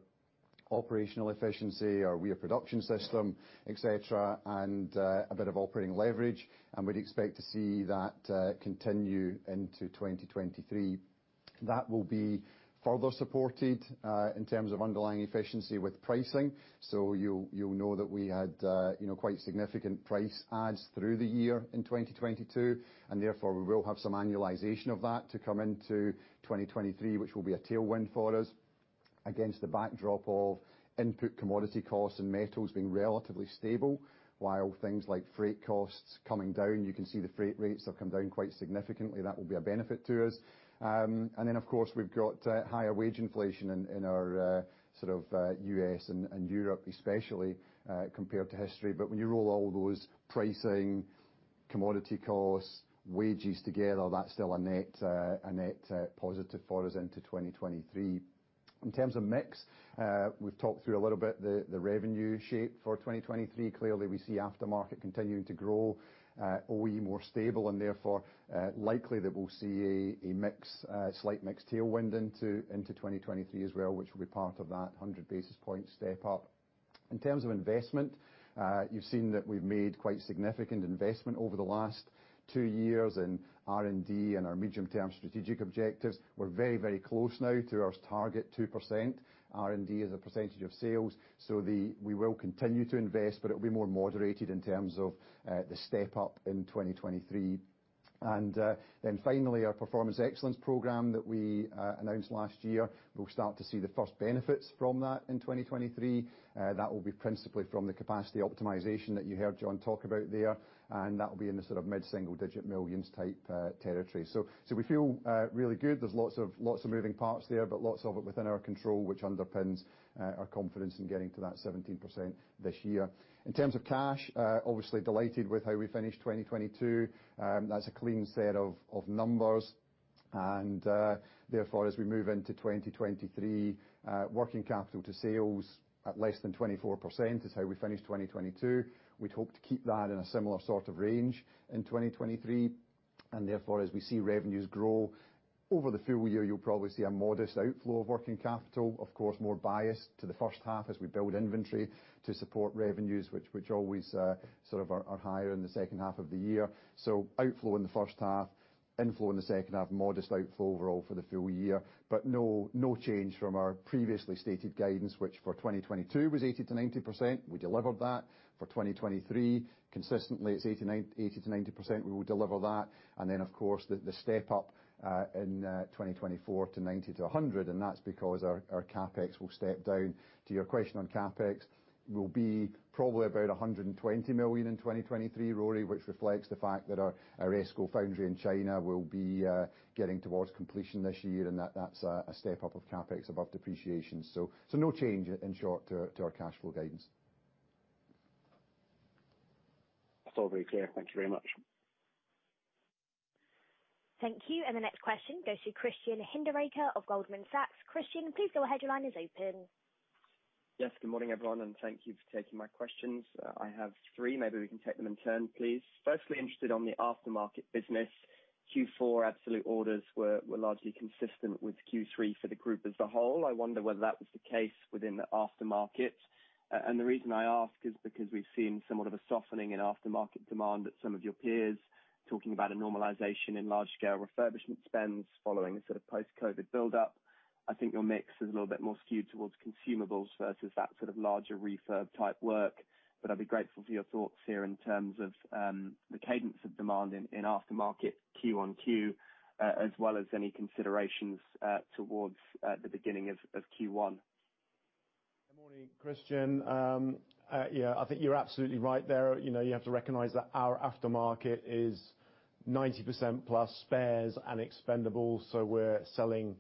operational efficiency, our Weir Production System, et cetera. A bit of operating leverage, we'd expect to see that continue into 2023. That will be further supported in terms of underlying efficiency with pricing. You'll know that we had, you know, quite significant price adds through the year in 2022. Therefore we will have some annualization of that to come into 2023, which will be a tailwind for us against the backdrop of input commodity costs and metals being relatively stable while things like freight costs coming down. You can see the freight rates have come down quite significantly. That will be a benefit to us. Of course, we've got higher wage inflation in our sort of U.S. and Europe especially compared to history. When you roll all those pricing, commodity costs, wages together, that's still a net, a net positive for us into 2023. In terms of mix, we've talked through a little bit the revenue shape for 2023. Clearly, we see aftermarket continuing to grow, OE more stable and therefore, likely that we'll see a mix, slight mix tailwind into 2023 as well, which will be part of that 100 basis point step up. In terms of investment, you've seen that we've made quite significant investment over the last two years in R&D and our medium-term strategic objectives. We're very, very close now to our target 2% R&D as a percentage of sales. We will continue to invest, but it will be more moderated in terms of the step up in 2023. Finally, our Performance Excellence program that we announced last year, we'll start to see the first benefits from that in 2023. That will be principally from the capacity optimization that you heard Jon talk about there, and that will be in the sort of mid-single digit millions type territory. We feel really good. There's lots of, lots of moving parts there, but lots of it within our control, which underpins our confidence in getting to that 17% this year. In terms of cash, obviously delighted with how we finished 2022. That's a clean set of numbers. Therefore, as we move into 2023, working capital to sales at less than 24% is how we finished 2022. We'd hope to keep that in a similar sort of range in 2023. Therefore, as we see revenues grow, over the full year, you'll probably see a modest outflow of working capital. Of course, more biased to the first half as we build inventory to support revenues, which always sort of are higher in the second half of the year. Outflow in the first half, inflow in the second half, modest outflow overall for the full year. No, no change from our previously stated guidance, which for 2022 was 80%-90%. We delivered that. For 2023, consistently, it's 80%-90%, we will deliver that. Then, of course, the step up in 2024 to 90%-100%, and that's because our CapEx will step down. To your question on CapEx, we'll be probably about 120 million in 2023, Rory, which reflects the fact that our ESCO foundry in China will be getting towards completion this year, and that's a step-up of CapEx above depreciation. So no change in short to our cash flow guidance. That's all very clear. Thank you very much. Thank you. The next question goes to Christian Hinderaker of Goldman Sachs. Christian, please your headline is open. Yes, good morning, everyone, and thank you for taking my questions. I have three. Maybe we can take them in turn, please. Firstly, interested on the aftermarket business. Q4 absolute orders were largely consistent with Q3 for the group as a whole. I wonder whether that was the case within the aftermarket. And the reason I ask is because we've seen somewhat of a softening in aftermarket demand at some of your peers talking about a normalization in large-scale refurbishment spends following a sort of post-COVID-19 buildup. I think your mix is a little bit more skewed towards consumables versus that sort of larger refurb type work. I'd be grateful for your thoughts here in terms of the cadence of demand in aftermarket Q on Q, as well as any considerations towards the beginning of Q1. Good morning, Christian. Yeah, I think you're absolutely right there. You know, you have to recognize that our aftermarket is 90% plus spares and expendables, so we're selling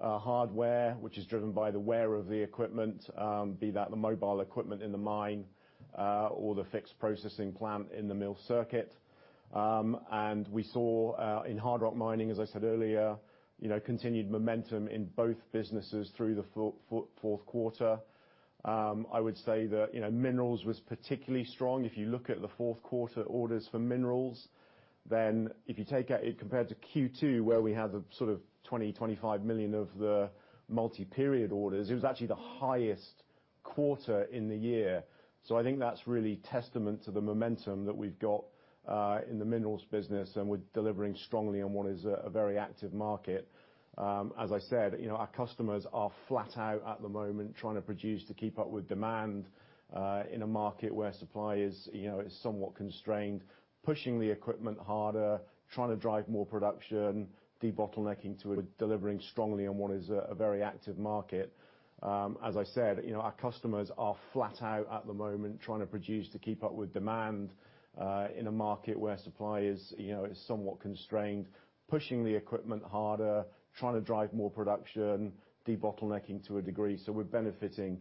hardware, which is driven by the wear of the equipment, be that the mobile equipment in the mine or the fixed processing plant in the mill circuit. We saw in hard rock mining, as I said earlier, you know, continued momentum in both businesses through the fourth quarter. I would say that, you know, Minerals was particularly strong. If you look at the fourth quarter orders for Minerals, then if you take out it compared to Q2, where we had the sort of 20 million-25 million of the multi-period orders, it was actually the highest quarter in the year. I think that's really testament to the momentum that we've got in the Minerals business, and we're delivering strongly on what is a very active market. As I said, you know, our customers are flat out at the moment trying to produce to keep up with demand in a market where supply is, you know, is somewhat constrained, pushing the equipment harder, trying to drive more production, debottlenecking to a degree. We're benefiting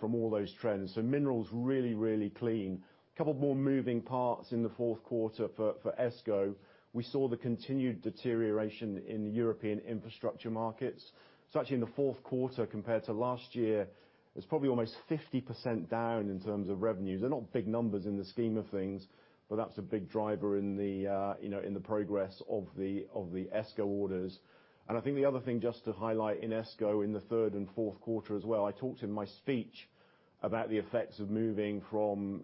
from all those trends. Minerals really, really clean. A couple more moving parts in the fourth quarter for ESCO. We saw the continued deterioration in the European infrastructure markets. Actually, in the fourth quarter compared to last year, it's probably almost 50% down in terms of revenues. They're not big numbers in the scheme of things, but that's a big driver in the, you know, in the progress of the ESCO orders. I think the other thing just to highlight in ESCO in the 3rd and 4th quarter as well, I talked in my speech about the effects of moving from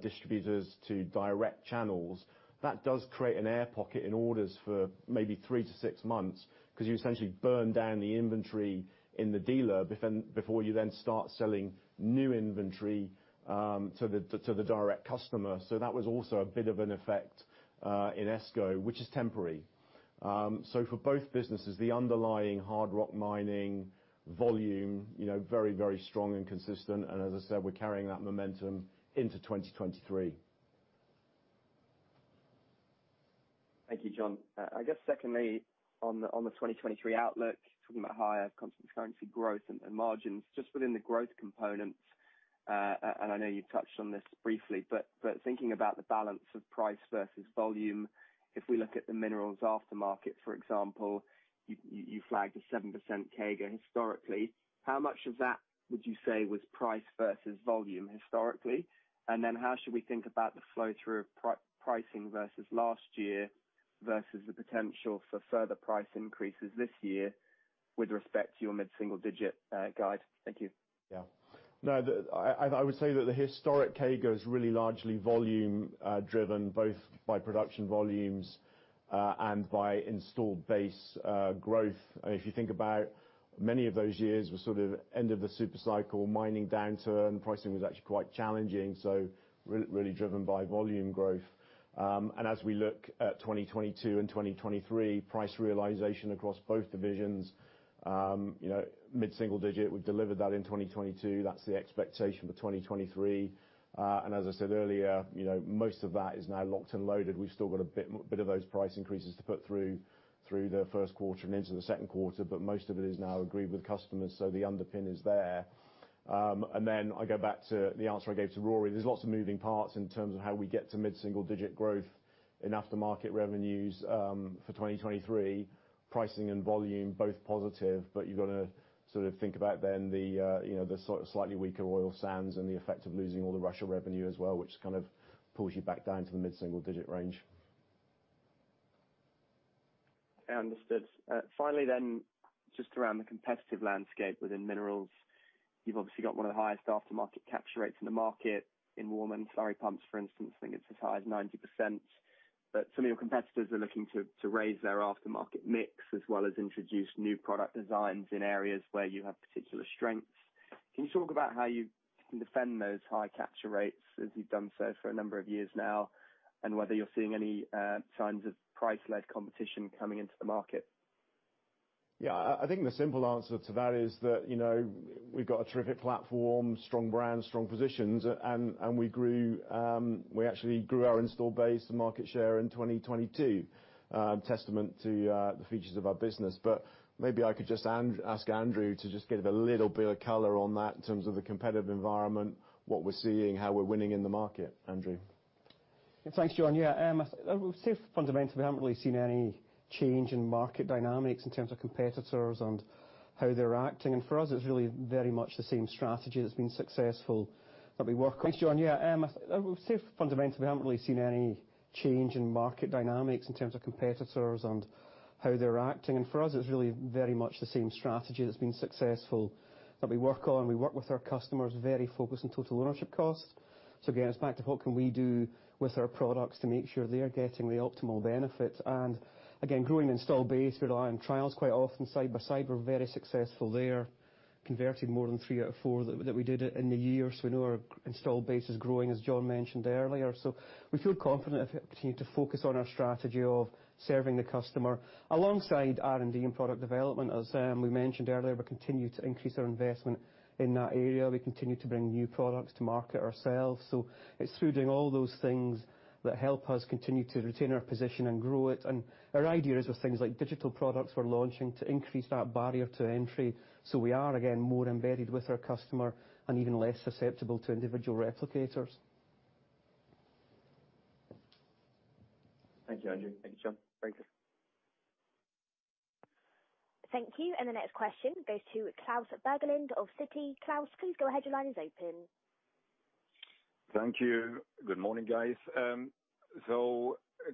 distributors to direct channels. That does create an air pocket in orders for maybe 3-6 months because you essentially burn down the inventory in the dealer before you then start selling new inventory to the direct customer. That was also a bit of an effect in ESCO, which is temporary. For both businesses, the underlying hard rock mining volume, you know, very, very strong and consistent. As I said, we're carrying that momentum into 2023. Thank you, Jon. I guess secondly, on the 2023 outlook, talking about higher constant currency growth and margins, just within the growth component. I know you touched on this briefly, but thinking about the balance of price versus volume, if we look at the Minerals aftermarket, for example, you flagged a 7% CAGR historically. How much of that would you say was price versus volume historically? How should we think about the flow-through of pricing versus last year versus the potential for further price increases this year with respect to your mid-single-digit guide? Thank you. No, I would say that the historic CAGR is really largely volume driven both by production volumes and by installed base growth. If you think about many of those years, were sort of end of the super cycle, mining downturn, pricing was actually quite challenging, so really driven by volume growth. As we look at 2022 and 2023 price realization across both divisions, you know, mid-single digit, we've delivered that in 2022. That's the expectation for 2023. As I said earlier, you know, most of that is now locked and loaded. We've still got a bit of those price increases to put through the first quarter and into the second quarter, but most of it is now agreed with customers, so the underpin is there. I go back to the answer I gave to Rory. There's lots of moving parts in terms of how we get to mid-single digit growth in aftermarket revenues for 2023. Pricing and volume, both positive, you've gotta sort of think about then the, you know, the sort of slightly weaker oil sands and the effect of losing all the Russia revenue as well, which kind of pulls you back down to the mid-single digit range. Understood. Finally, just around the competitive landscape within Minerals. You've obviously got one of the highest aftermarket capture rates in the market in Warman and slurry pumps, for instance, think it's as high as 90%. Some of your competitors are looking to raise their aftermarket mix, as well as introduce new product designs in areas where you have particular strengths. Can you talk about how you can defend those high capture rates as you've done so for a number of years now, and whether you're seeing any signs of price-led competition coming into the market? Yeah, I think the simple answer to that is that, you know, we've got a terrific platform, strong brand, strong positions, and we grew, we actually grew our install base to market share in 2022, testament to the features of our business. Maybe I could just ask Andrew to just give a little bit of color on that in terms of the competitive environment, what we're seeing, how we're winning in the market. Andrew. Thanks, John. Yeah, I would say fundamentally, we haven't really seen any change in market dynamics in terms of competitors and how they're acting. For us, it's really very much the same strategy that's been successful that we work on. We work with our customers, very focused on total ownership cost. Again, it's back to what can we do with our products to make sure they're getting the optimal benefit. Again, growing install base, rely on trials quite often side by side. We're very successful there, converting more than 3 out of 4 that we did in the year. We know our installed base is growing, as John mentioned earlier. We feel confident if we continue to focus on our strategy of serving the customer alongside R&D and product development. As we mentioned earlier, we continue to increase our investment in that area. We continue to bring new products to market ourselves. It's through doing all those things that help us continue to retain our position and grow it. Our idea is with things like digital products we're launching to increase that barrier to entry. We are, again, more embedded with our customer and even less susceptible to individual replicators. Thank you, Andrew. Thank you, Jon. Thank you. Thank you. The next question goes to Klas Bergelind of Citi. Klas, please go ahead. Your line is open. Thank you. Good morning, guys.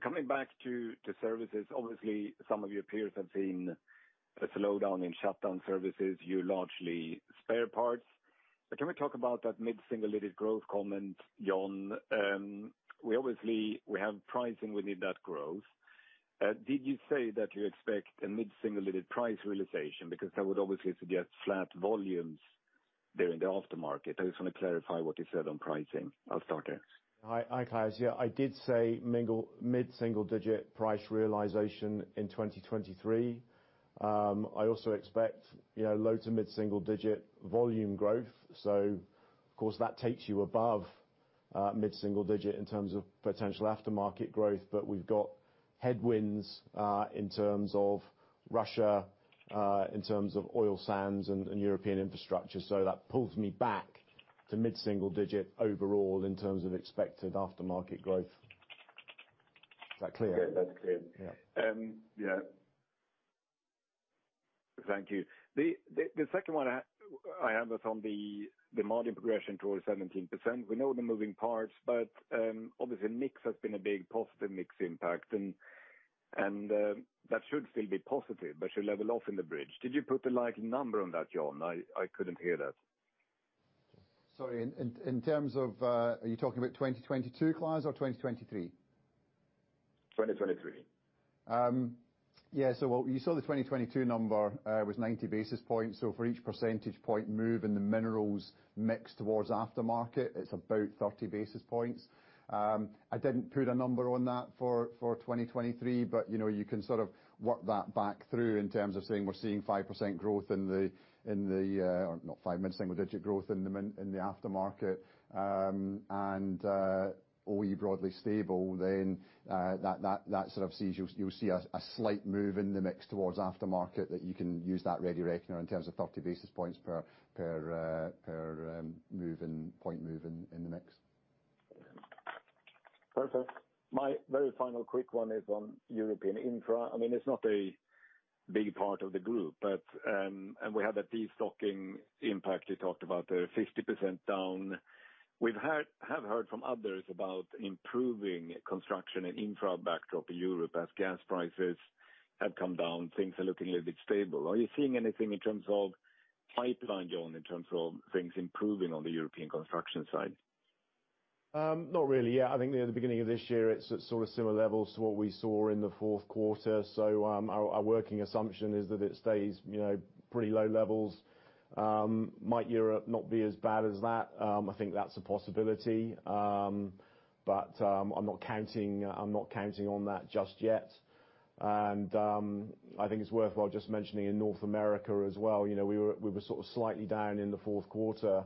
Coming back to services, obviously, some of your peers have seen a slowdown in shutdown services, you largely spare parts. Can we talk about that mid-single digit growth comment, Jon? We obviously, we have pricing within that growth. Did you say that you expect a mid-single digit price realization? Because that would obviously suggest flat volumes during the aftermarket. I just wanna clarify what you said on pricing. I'll start there. Hi, hi, Klas. Yeah, I did say mid-single digit price realization in 2023. I also expect, you know, low to mid-single digit volume growth. Of course, that takes you above mid-single digit in terms of potential aftermarket growth. We've got headwinds in terms of Russia, in terms of oil sands and European infrastructure. That pulls me back to mid-single digit overall in terms of expected aftermarket growth. Is that clear? Yeah, that's clear. Yeah. Yeah. Thank you. The second one I have is on the margin progression towards 17%. We know the moving parts, but obviously, mix has been a big positive mix impact, and that should still be positive, but should level off in the bridge. Did you put a like number on that, Jon? I couldn't hear that. Sorry, in terms of, are you talking about 2022, Klas, or 2023? 2023. What you saw the 2022 number was 90 basis points. For each percentage point move in the Minerals mix towards aftermarket, it's about 30 basis points. I didn't put a number on that for 2023, but, you know, you can sort of work that back through in terms of saying we're seeing mid-single digit growth in the aftermarket. OE broadly stable, that sort of sees you'll see a slight move in the mix towards aftermarket that you can use that ready reckoner in terms of 30 basis points per point move in the mix. Perfect. My very final quick one is on European infra. I mean, it's not a big part of the group, but, we have a destocking impact you talked about there, 50% down. Have heard from others about improving construction and infra backdrop in Europe as gas prices have come down, things are looking a little bit stable. Are you seeing anything in terms of pipeline, Jon, in terms of things improving on the European construction side? Not really, yeah. I think near the beginning of this year, it's at sort of similar levels to what we saw in the fourth quarter. Our working assumption is that it stays, you know, pretty low levels. Might Europe not be as bad as that? I think that's a possibility. I'm not counting on that just yet. I think it's worthwhile just mentioning in North America as well, you know, we were sort of slightly down in the fourth quarter,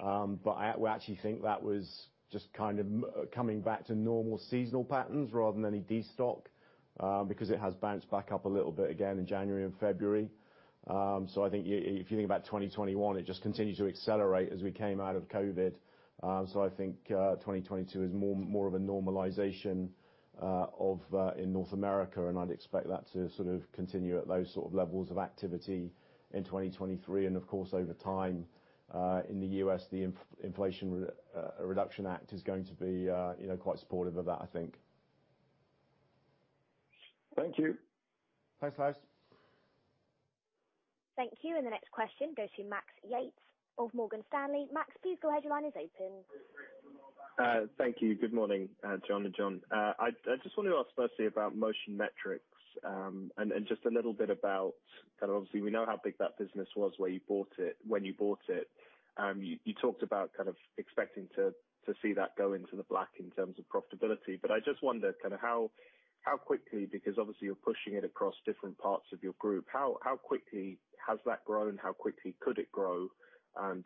but we actually think that was just kind of coming back to normal seasonal patterns rather than any destock, because it has bounced back up a little bit again in January and February. If you think about 2021, it just continued to accelerate as we came out of COVID. I think 2022 is more of a normalization of in North America, and I'd expect that to sort of continue at those sort of levels of activity in 2023. Of course, over time, in the U.S., the Inflation Reduction Act is going to be, you know, quite supportive of that, I think. Thank you. Thanks, Klas. Thank you. The next question goes to Max Yates of Morgan Stanley. Max, please go ahead. Your line is open. Thank you. Good morning, John and Jon. I just want to ask firstly about Motion Metrics, and just a little bit about kind of obviously, we know how big that business was, where you bought it when you bought it. You talked about kind of expecting to see that go into the black in terms of profitability. I just wonder kind of how quickly, because obviously you're pushing it across different parts of your group, how quickly has that grown? How quickly could it grow?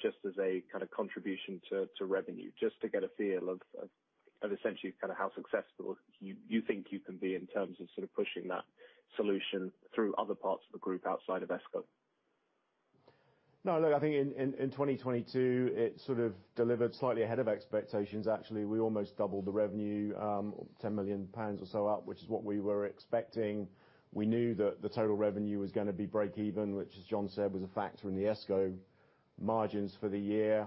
Just as a kind of contribution to revenue, just to get a feel of essentially kind of how successful you think you can be in terms of sort of pushing that solution through other parts of the group outside of ESCO. No, look, I think in 2022, it sort of delivered slightly ahead of expectations actually. We almost doubled the revenue, 10 million pounds or so up, which is what we were expecting. We knew that the total revenue was gonna be breakeven, which as John said, was a factor in the ESCO margins for the year.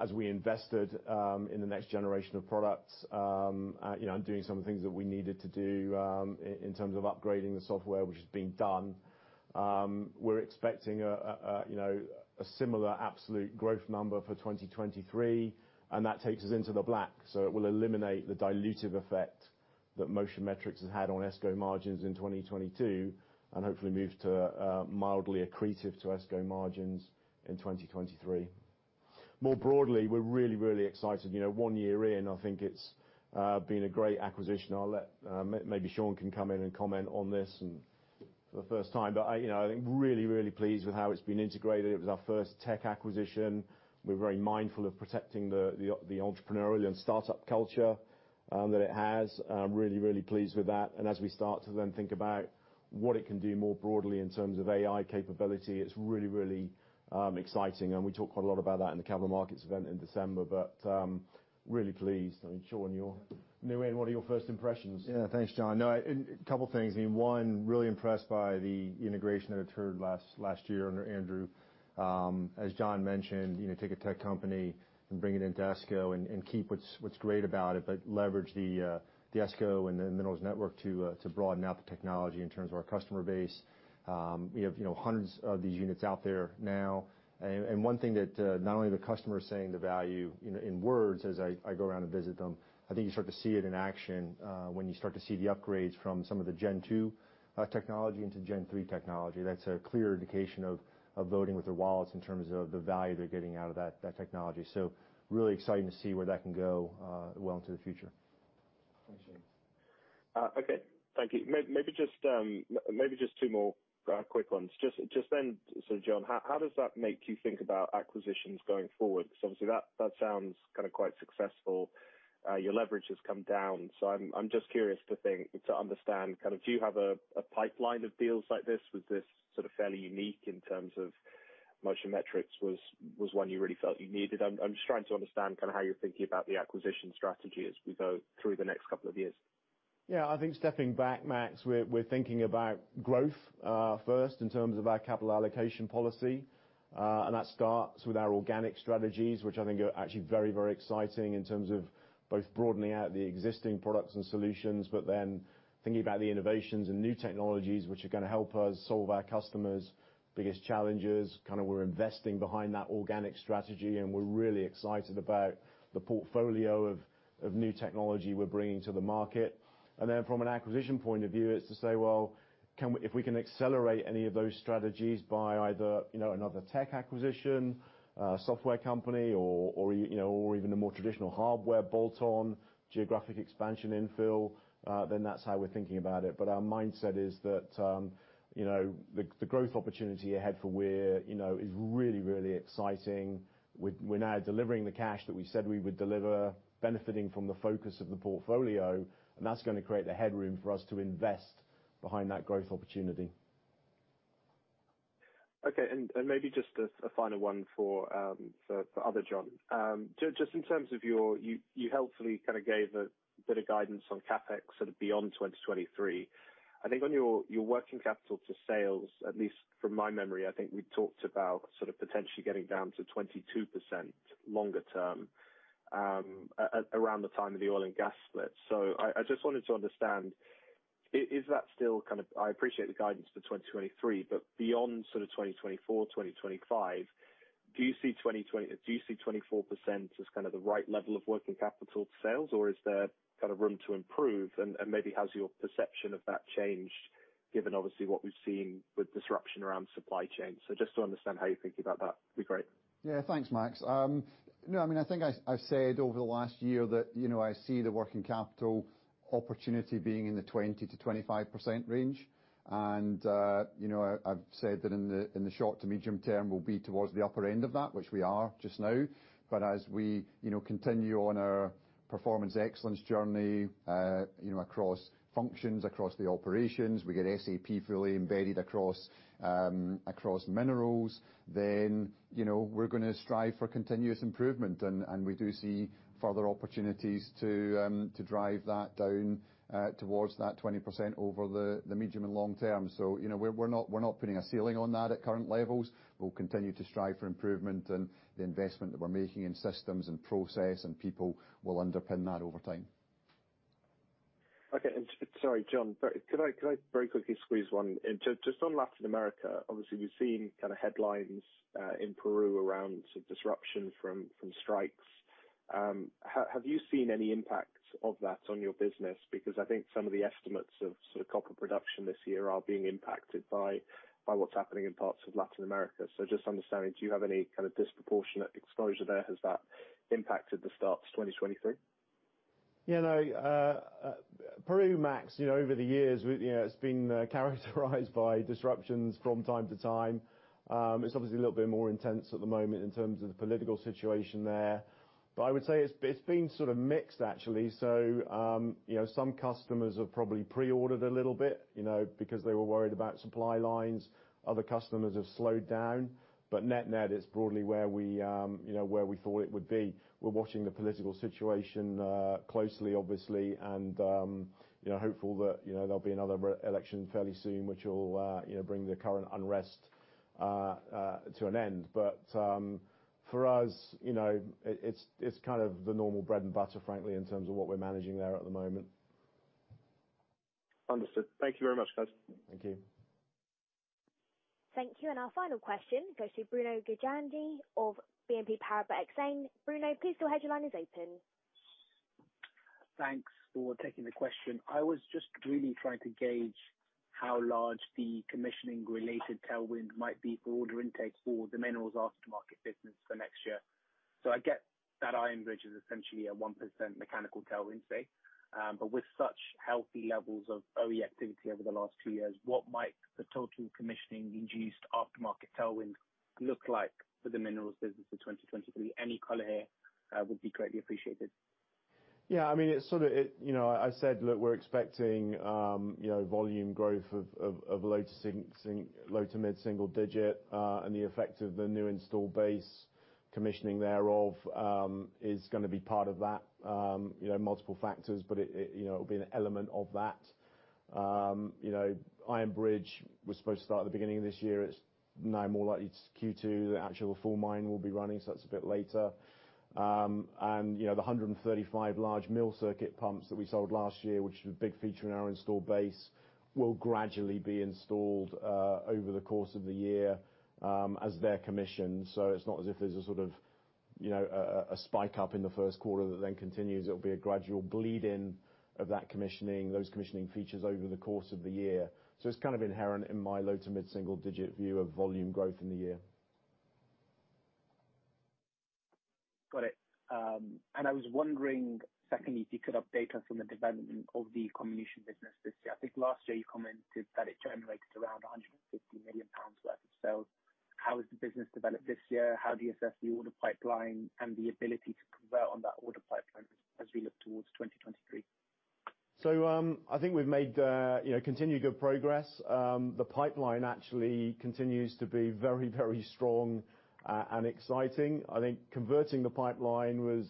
As we invested in the next generation of products, you know, doing some of the things that we needed to do in terms of upgrading the software, which is being done, we're expecting a, you know, a similar absolute growth number for 2023, that takes us into the black. It will eliminate the dilutive effect that Motion Metrics has had on ESCO margins in 2022, and hopefully move to mildly accretive to ESCO margins in 2023. More broadly, we're really, really excited. You know, one year in, I think it's been a great acquisition. I'll let maybe Sean can come in and comment on this and for the first time. You know, I think really, really pleased with how it's been integrated. It was our first tech acquisition. We're very mindful of protecting the entrepreneurial and startup culture that it has. I'm really, really pleased with that. As we start to then think about what it can do more broadly in terms of AI capability, it's really, really exciting. We talked quite a lot about that in the capital markets event in December, but really pleased. I mean, Sean, in a way, what are your first impressions? Yeah. Thanks, Jon. No, a couple things. I mean, one, really impressed by the integration that occurred last year under Andrew. As Jon mentioned, you know, take a tech company and bring it into ESCO and keep what's great about it, but leverage the ESCO and the Minerals network to broaden out the technology in terms of our customer base. We have, you know, hundreds of these units out there now. One thing that not only the customer is saying the value, you know, in words as I go around and visit them, I think you start to see it in action when you start to see the upgrades from some of the Gen 2 technology into Gen 3 technology. That's a clear indication of voting with their wallets in terms of the value they're getting out of that technology. Really exciting to see where that can go well into the future. Thanks, Sean. Okay. Thank you. Maybe just two more quick ones. Then, Jon, how does that make you think about acquisitions going forward? Obviously that sounds kind of quite successful. Your leverage has come down. I'm just curious to think, to understand kind of, do you have a pipeline of deals like this? Was this sort of fairly unique in terms of Motion Metrics was one you really felt you needed? I'm just trying to understand kind of how you're thinking about the acquisition strategy as we go through the next couple of years. I think stepping back, Max, we're thinking about growth, first in terms of our capital allocation policy. That starts with our organic strategies, which I think are actually very, very exciting in terms of both broadening out the existing products and solutions, but then thinking about the innovations and new technologies which are gonna help us solve our customers' biggest challenges, we're investing behind that organic strategy, and we're really excited about the portfolio of new technology we're bringing to the market. Then from an acquisition point of view, it's to say, well, can we if we can accelerate any of those strategies by either, you know, another tech acquisition, a software company or, you know, or even a more traditional hardware bolt on geographic expansion infill, then that's how we're thinking about it. Our mindset is that, you know, the growth opportunity ahead for Weir, you know, is really, really exciting. We're now delivering the cash that we said we would deliver, benefiting from the focus of the portfolio, and that's gonna create the headroom for us to invest behind that growth opportunity. Okay. Maybe just a final one for other John. Just in terms of you helpfully kind of gave a bit of guidance on CapEx sort of beyond 2023. I think on your working capital to sales, at least from my memory, I think we talked about sort of potentially getting down to 22% longer term, around the time of the oil and gas split. I just wanted to understand, is that still kind of... I appreciate the guidance for 2023, but beyond sort of 2024, 2025, do you see 24% as kind of the right level of working capital to sales, or is there kind of room to improve and maybe has your perception of that changed given obviously what we've seen with disruption around supply chain? Just to understand how you're thinking about that would be great. Yeah. Thanks, Max. No, I mean, I think I said over the last year that, you know, I see the working capital opportunity being in the 20%-25% range. You know, I've said that in the short to medium term, we'll be towards the upper end of that, which we are just now. As we, you know, continue on our Performance Excellence journey, you know, across functions, across the operations, we get SAP fully embedded across Minerals, then, you know, we're gonna strive for continuous improvement. We do see further opportunities to drive that down towards that 20% over the medium and long term. You know, we're not putting a ceiling on that at current levels. We'll continue to strive for improvement and the investment that we're making in systems and process, and people will underpin that over time. Okay. sorry, Jon, could I very quickly squeeze one in? Just on Latin America, obviously we've seen kind of headlines in Peru around sort of disruption from strikes. have you seen any impact of that on your business? Because I think some of the estimates of sort of copper production this year are being impacted by what's happening in parts of Latin America. just understanding, do you have any kind of disproportionate exposure there? Has that impacted the start to 2023? Yeah, no. Peru, Max, you know, over the years, we, you know, it's been characterized by disruptions from time to time. It's obviously a little bit more intense at the moment in terms of the political situation there. I would say it's been sort of mixed, actually. You know, some customers have probably pre-ordered a little bit, you know, because they were worried about supply lines. Other customers have slowed down. Net-net, it's broadly where we, you know, where we thought it would be. We're watching the political situation closely, obviously, and, you know, hopeful that, you know, there'll be another re-election fairly soon, which will, you know, bring the current unrest to an end. For us, you know, it's, it's kind of the normal bread and butter, frankly, in terms of what we're managing there at the moment. Understood. Thank you very much, guys. Thank you. Thank you. Our final question goes to Bruno Gagliardi of BNP Paribas Exane. Bruno, please go ahead. Your line is open. Thanks for taking the question. I was just really trying to gauge how large the commissioning related tailwind might be for order intake for the Minerals aftermarket business for next year. I get that Iron Bridge is essentially a 1% mechanical tailwind space. With such healthy levels of OE activity over the last two years, what might the total commissioning induced aftermarket tailwind look like for the Minerals business in 2023? Any color here would be greatly appreciated. Yeah, I mean, it's sort of it, you know, I said, look, we're expecting, you know, volume growth of low to mid-single digit%, and the effect of the new install base commissioning thereof, is gonna be part of that. Multiple factors, but it, you know, it'll be an element of that. You know, Iron Bridge was supposed to start at the beginning of this year. It's now more likely it's Q2, the actual full mine will be running, that's a bit later. You know, the 135 large mill circuit pumps that we sold last year, which is a big feature in our install base, will gradually be installed over the course of the year as they're commissioned. It's not as if there's a sort of, you know, a spike up in the first quarter that then continues. It'll be a gradual bleed in of that commissioning, those commissioning features over the course of the year. It's kind of inherent in my low to mid-single-digit view of volume growth in the year. Got it. I was wondering, secondly, if you could update us on the development of the comminution business this year. I think last year you commented that it generates around 150 million pounds left. How has the business developed this year? How do you assess the order pipeline and the ability to convert on that order pipeline as we look towards 2023? I think we've made, you know, continued good progress. The pipeline actually continues to be very, very strong and exciting. I think converting the pipeline was,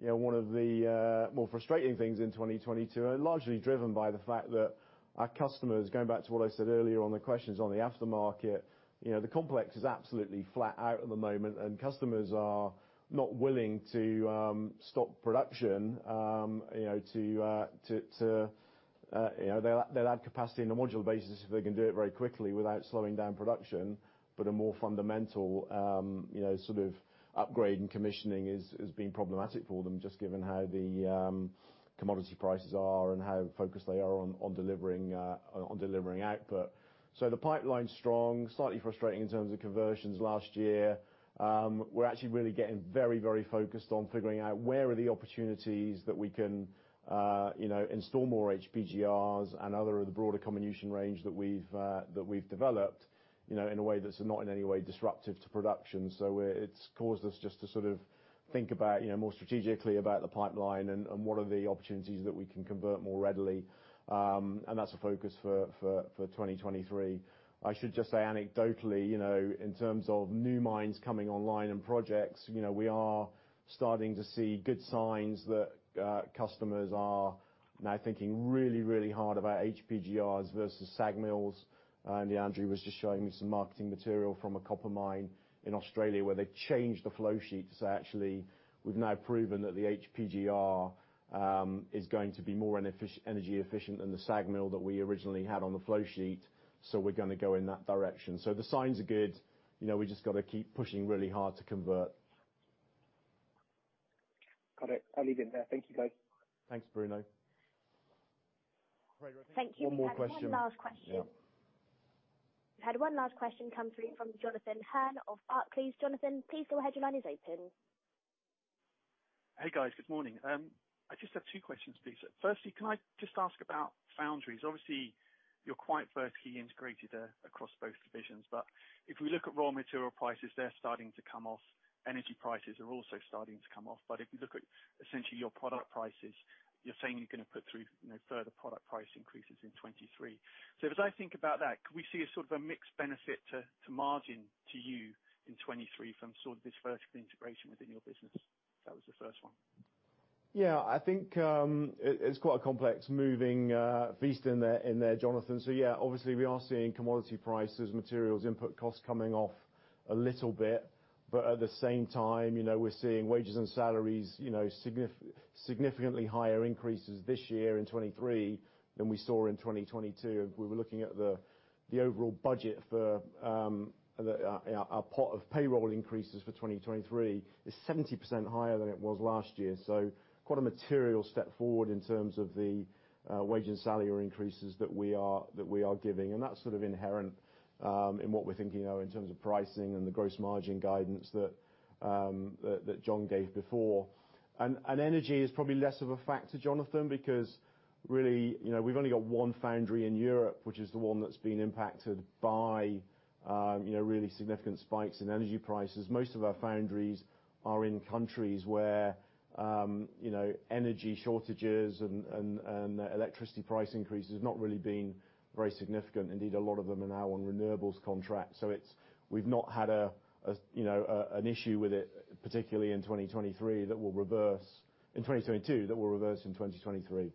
you know, one of the more frustrating things in 2022, and largely driven by the fact that our customers, going back to what I said earlier on the questions on the aftermarket, you know, the complex is absolutely flat out at the moment, and customers are not willing to stop production, you know, to, you know. They'll add capacity on a modular basis if they can do it very quickly without slowing down production. A more fundamental, you know, sort of upgrade and commissioning is being problematic for them, just given how the commodity prices are and how focused they are on delivering, on delivering output. The pipeline's strong, slightly frustrating in terms of conversions last year. We're actually really getting very, very focused on figuring out where are the opportunities that we can, you know, install more HPGRs and other of the broader combination range that we've, that we've developed, you know, in a way that's not in any way disruptive to production. It, it's caused us just to sort of think about, you know, more strategically about the pipeline and what are the opportunities that we can convert more readily. And that's a focus for, for 2023. I should just say anecdotally, you know, in terms of new mines coming online and projects, you know, we are starting to see good signs that customers are now thinking really, really hard about HPGRs versus SAG mills. Andrew was just showing me some marketing material from a copper mine in Australia where they've changed the flow sheet to say, actually, we've now proven that the HPGR is going to be more energy efficient than the SAG mill that we originally had on the flow sheet. We're gonna go in that direction. The signs are good. You know, we just gotta keep pushing really hard to convert. Got it. I'll leave it there. Thank you, guys. Thanks, Bruno. Great. Well. Thank you. One more question. We have one last question. Yeah. We've had one last question come through from Jonathan Hurn of Barclays. Jonathan, please go ahead. Your line is open. Hey, guys. Good morning. I just have two questions, please. Firstly, can I just ask about foundries? Obviously, you're quite vertically integrated across both divisions, but if we look at raw material prices, they're starting to come off. Energy prices are also starting to come off. But if you look at essentially your product prices, you're saying you're gonna put through, you know, further product price increases in '23. As I think about that, can we see a sort of a mixed benefit to margin to you in '23 from sort of this vertical integration within your business? That was the first one. Yeah. I think it's quite a complex moving feast in there, Jonathan. Obviously we are seeing commodity prices, materials, input costs coming off a little bit. At the same time, you know, we're seeing wages and salaries, you know, significantly higher increases this year in 2023 than we saw in 2022. We were looking at the overall budget for our pot of payroll increases for 2023 is 70% higher than it was last year. Quite a material step forward in terms of the wage and salary increases that we are giving. That's sort of inherent in what we're thinking of in terms of pricing and the gross margin guidance that John gave before. Energy is probably less of a factor, Jonathan, because really, you know, we've only got one foundry in Europe, which is the one that's been impacted by, you know, really significant spikes in energy prices. Most of our foundries are in countries where, you know, energy shortages and electricity price increase has not really been very significant. Indeed, a lot of them are now on renewables contracts. We've not had a, you know, an issue with it. In 2022, that will reverse in 2023. Okay.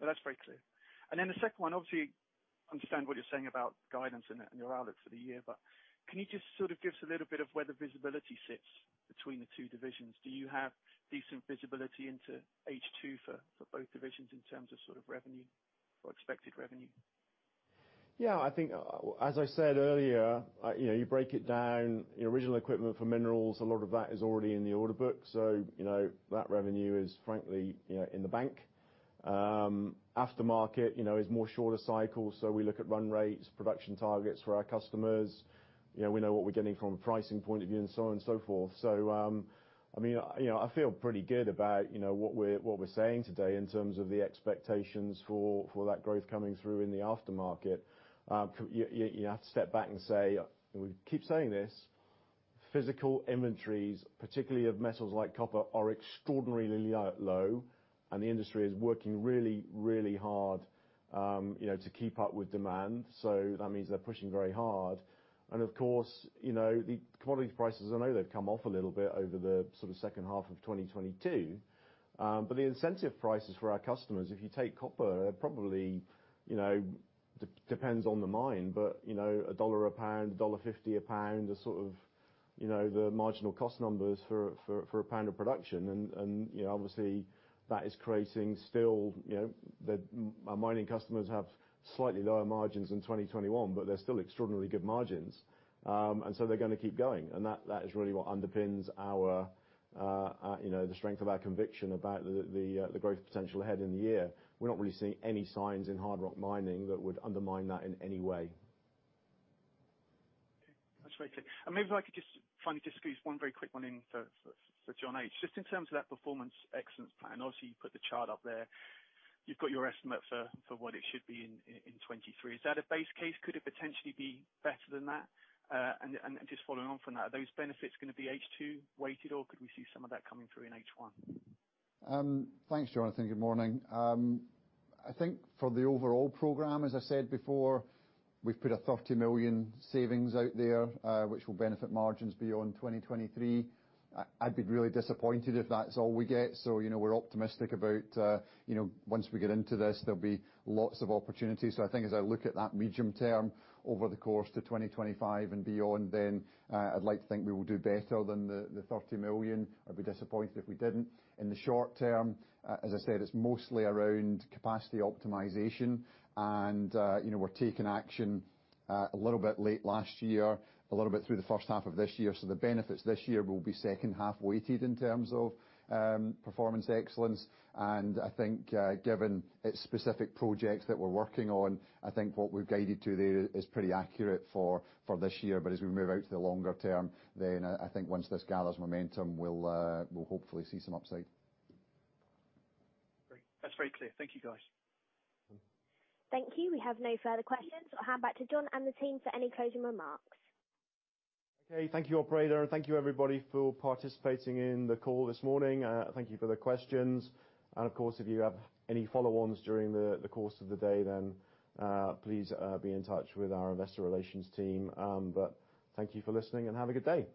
No, that's very clear. The second one, obviously understand what you're saying about guidance and your outlook for the year, but can you just sort of give us a little bit of where the visibility sits between the two divisions? Do you have decent visibility into H2 for both divisions in terms of sort of revenue or expected revenue? I think, as I said earlier, you know, you break it down, the original equipment for Minerals, a lot of that is already in the order book. You know, that revenue is frankly, you know, in the bank. Aftermarket, you know, is more shorter cycle, so we look at run rates, production targets for our customers. You know, we know what we're getting from a pricing point of view and so on and so forth. I mean, you know, I feel pretty good about, you know, what we're, what we're saying today in terms of the expectations for that growth coming through in the aftermarket. You have to step back and say, and we keep saying this, physical inventories, particularly of metals like copper, are extraordinarily low, and the industry is working really hard, you know, to keep up with demand. That means they're pushing very hard. Of course, you know, the commodity prices, I know they've come off a little bit over the sort of second half of 2022. The incentive prices for our customers, if you take copper, probably, you know, depends on the mine, but, you know, $1 a pound, $1.50 a pound is sort of, you know, the marginal cost numbers for a pound of production. You know, obviously that is creating still, you know... Our mining customers have slightly lower margins in 2021, but they're still extraordinarily good margins. They're gonna keep going. That is really what underpins our, you know, the strength of our conviction about the growth potential ahead in the year. We're not really seeing any signs in hard rock mining that would undermine that in any way. That's very clear. Maybe if I could just finally squeeze one very quick one in for John H. Just in terms of that Performance Excellence plan, obviously, you put the chart up there. You've got your estimate for what it should be in '23. Is that a base case? Could it potentially be better than that? Just following on from that, are those benefits gonna be H2 weighted, or could we see some of that coming through in H1? Thanks, Jonathan. Good morning. I think for the overall program, as I said before, we've put a 30 million savings out there, which will benefit margins beyond 2023. I'd be really disappointed if that's all we get. You know, we're optimistic about, you know, once we get into this, there'll be lots of opportunities. I think as I look at that medium term, over the course to 2025 and beyond then, I'd like to think we will do better than the 30 million. I'd be disappointed if we didn't. In the short term, as I said, it's mostly around capacity optimization and, you know, we're taking action a little bit late last year, a little bit through the first half of this year. The benefits this year will be second half weighted in terms of Performance Excellence, and I think, given its specific projects that we're working on, I think what we've guided to there is pretty accurate for this year. As we move out to the longer term, then I think once this gathers momentum, we'll hopefully see some upside. Great. That's very clear. Thank you, guys. Thank you. We have no further questions. I'll hand back to Jon and the team for any closing remarks. Okay. Thank you, operator, and thank you everybody for participating in the call this morning. Thank you for the questions. Of course, if you have any follow-ons during the course of the day, then, please, be in touch with our investor relations team. Thank you for listening and have a good day.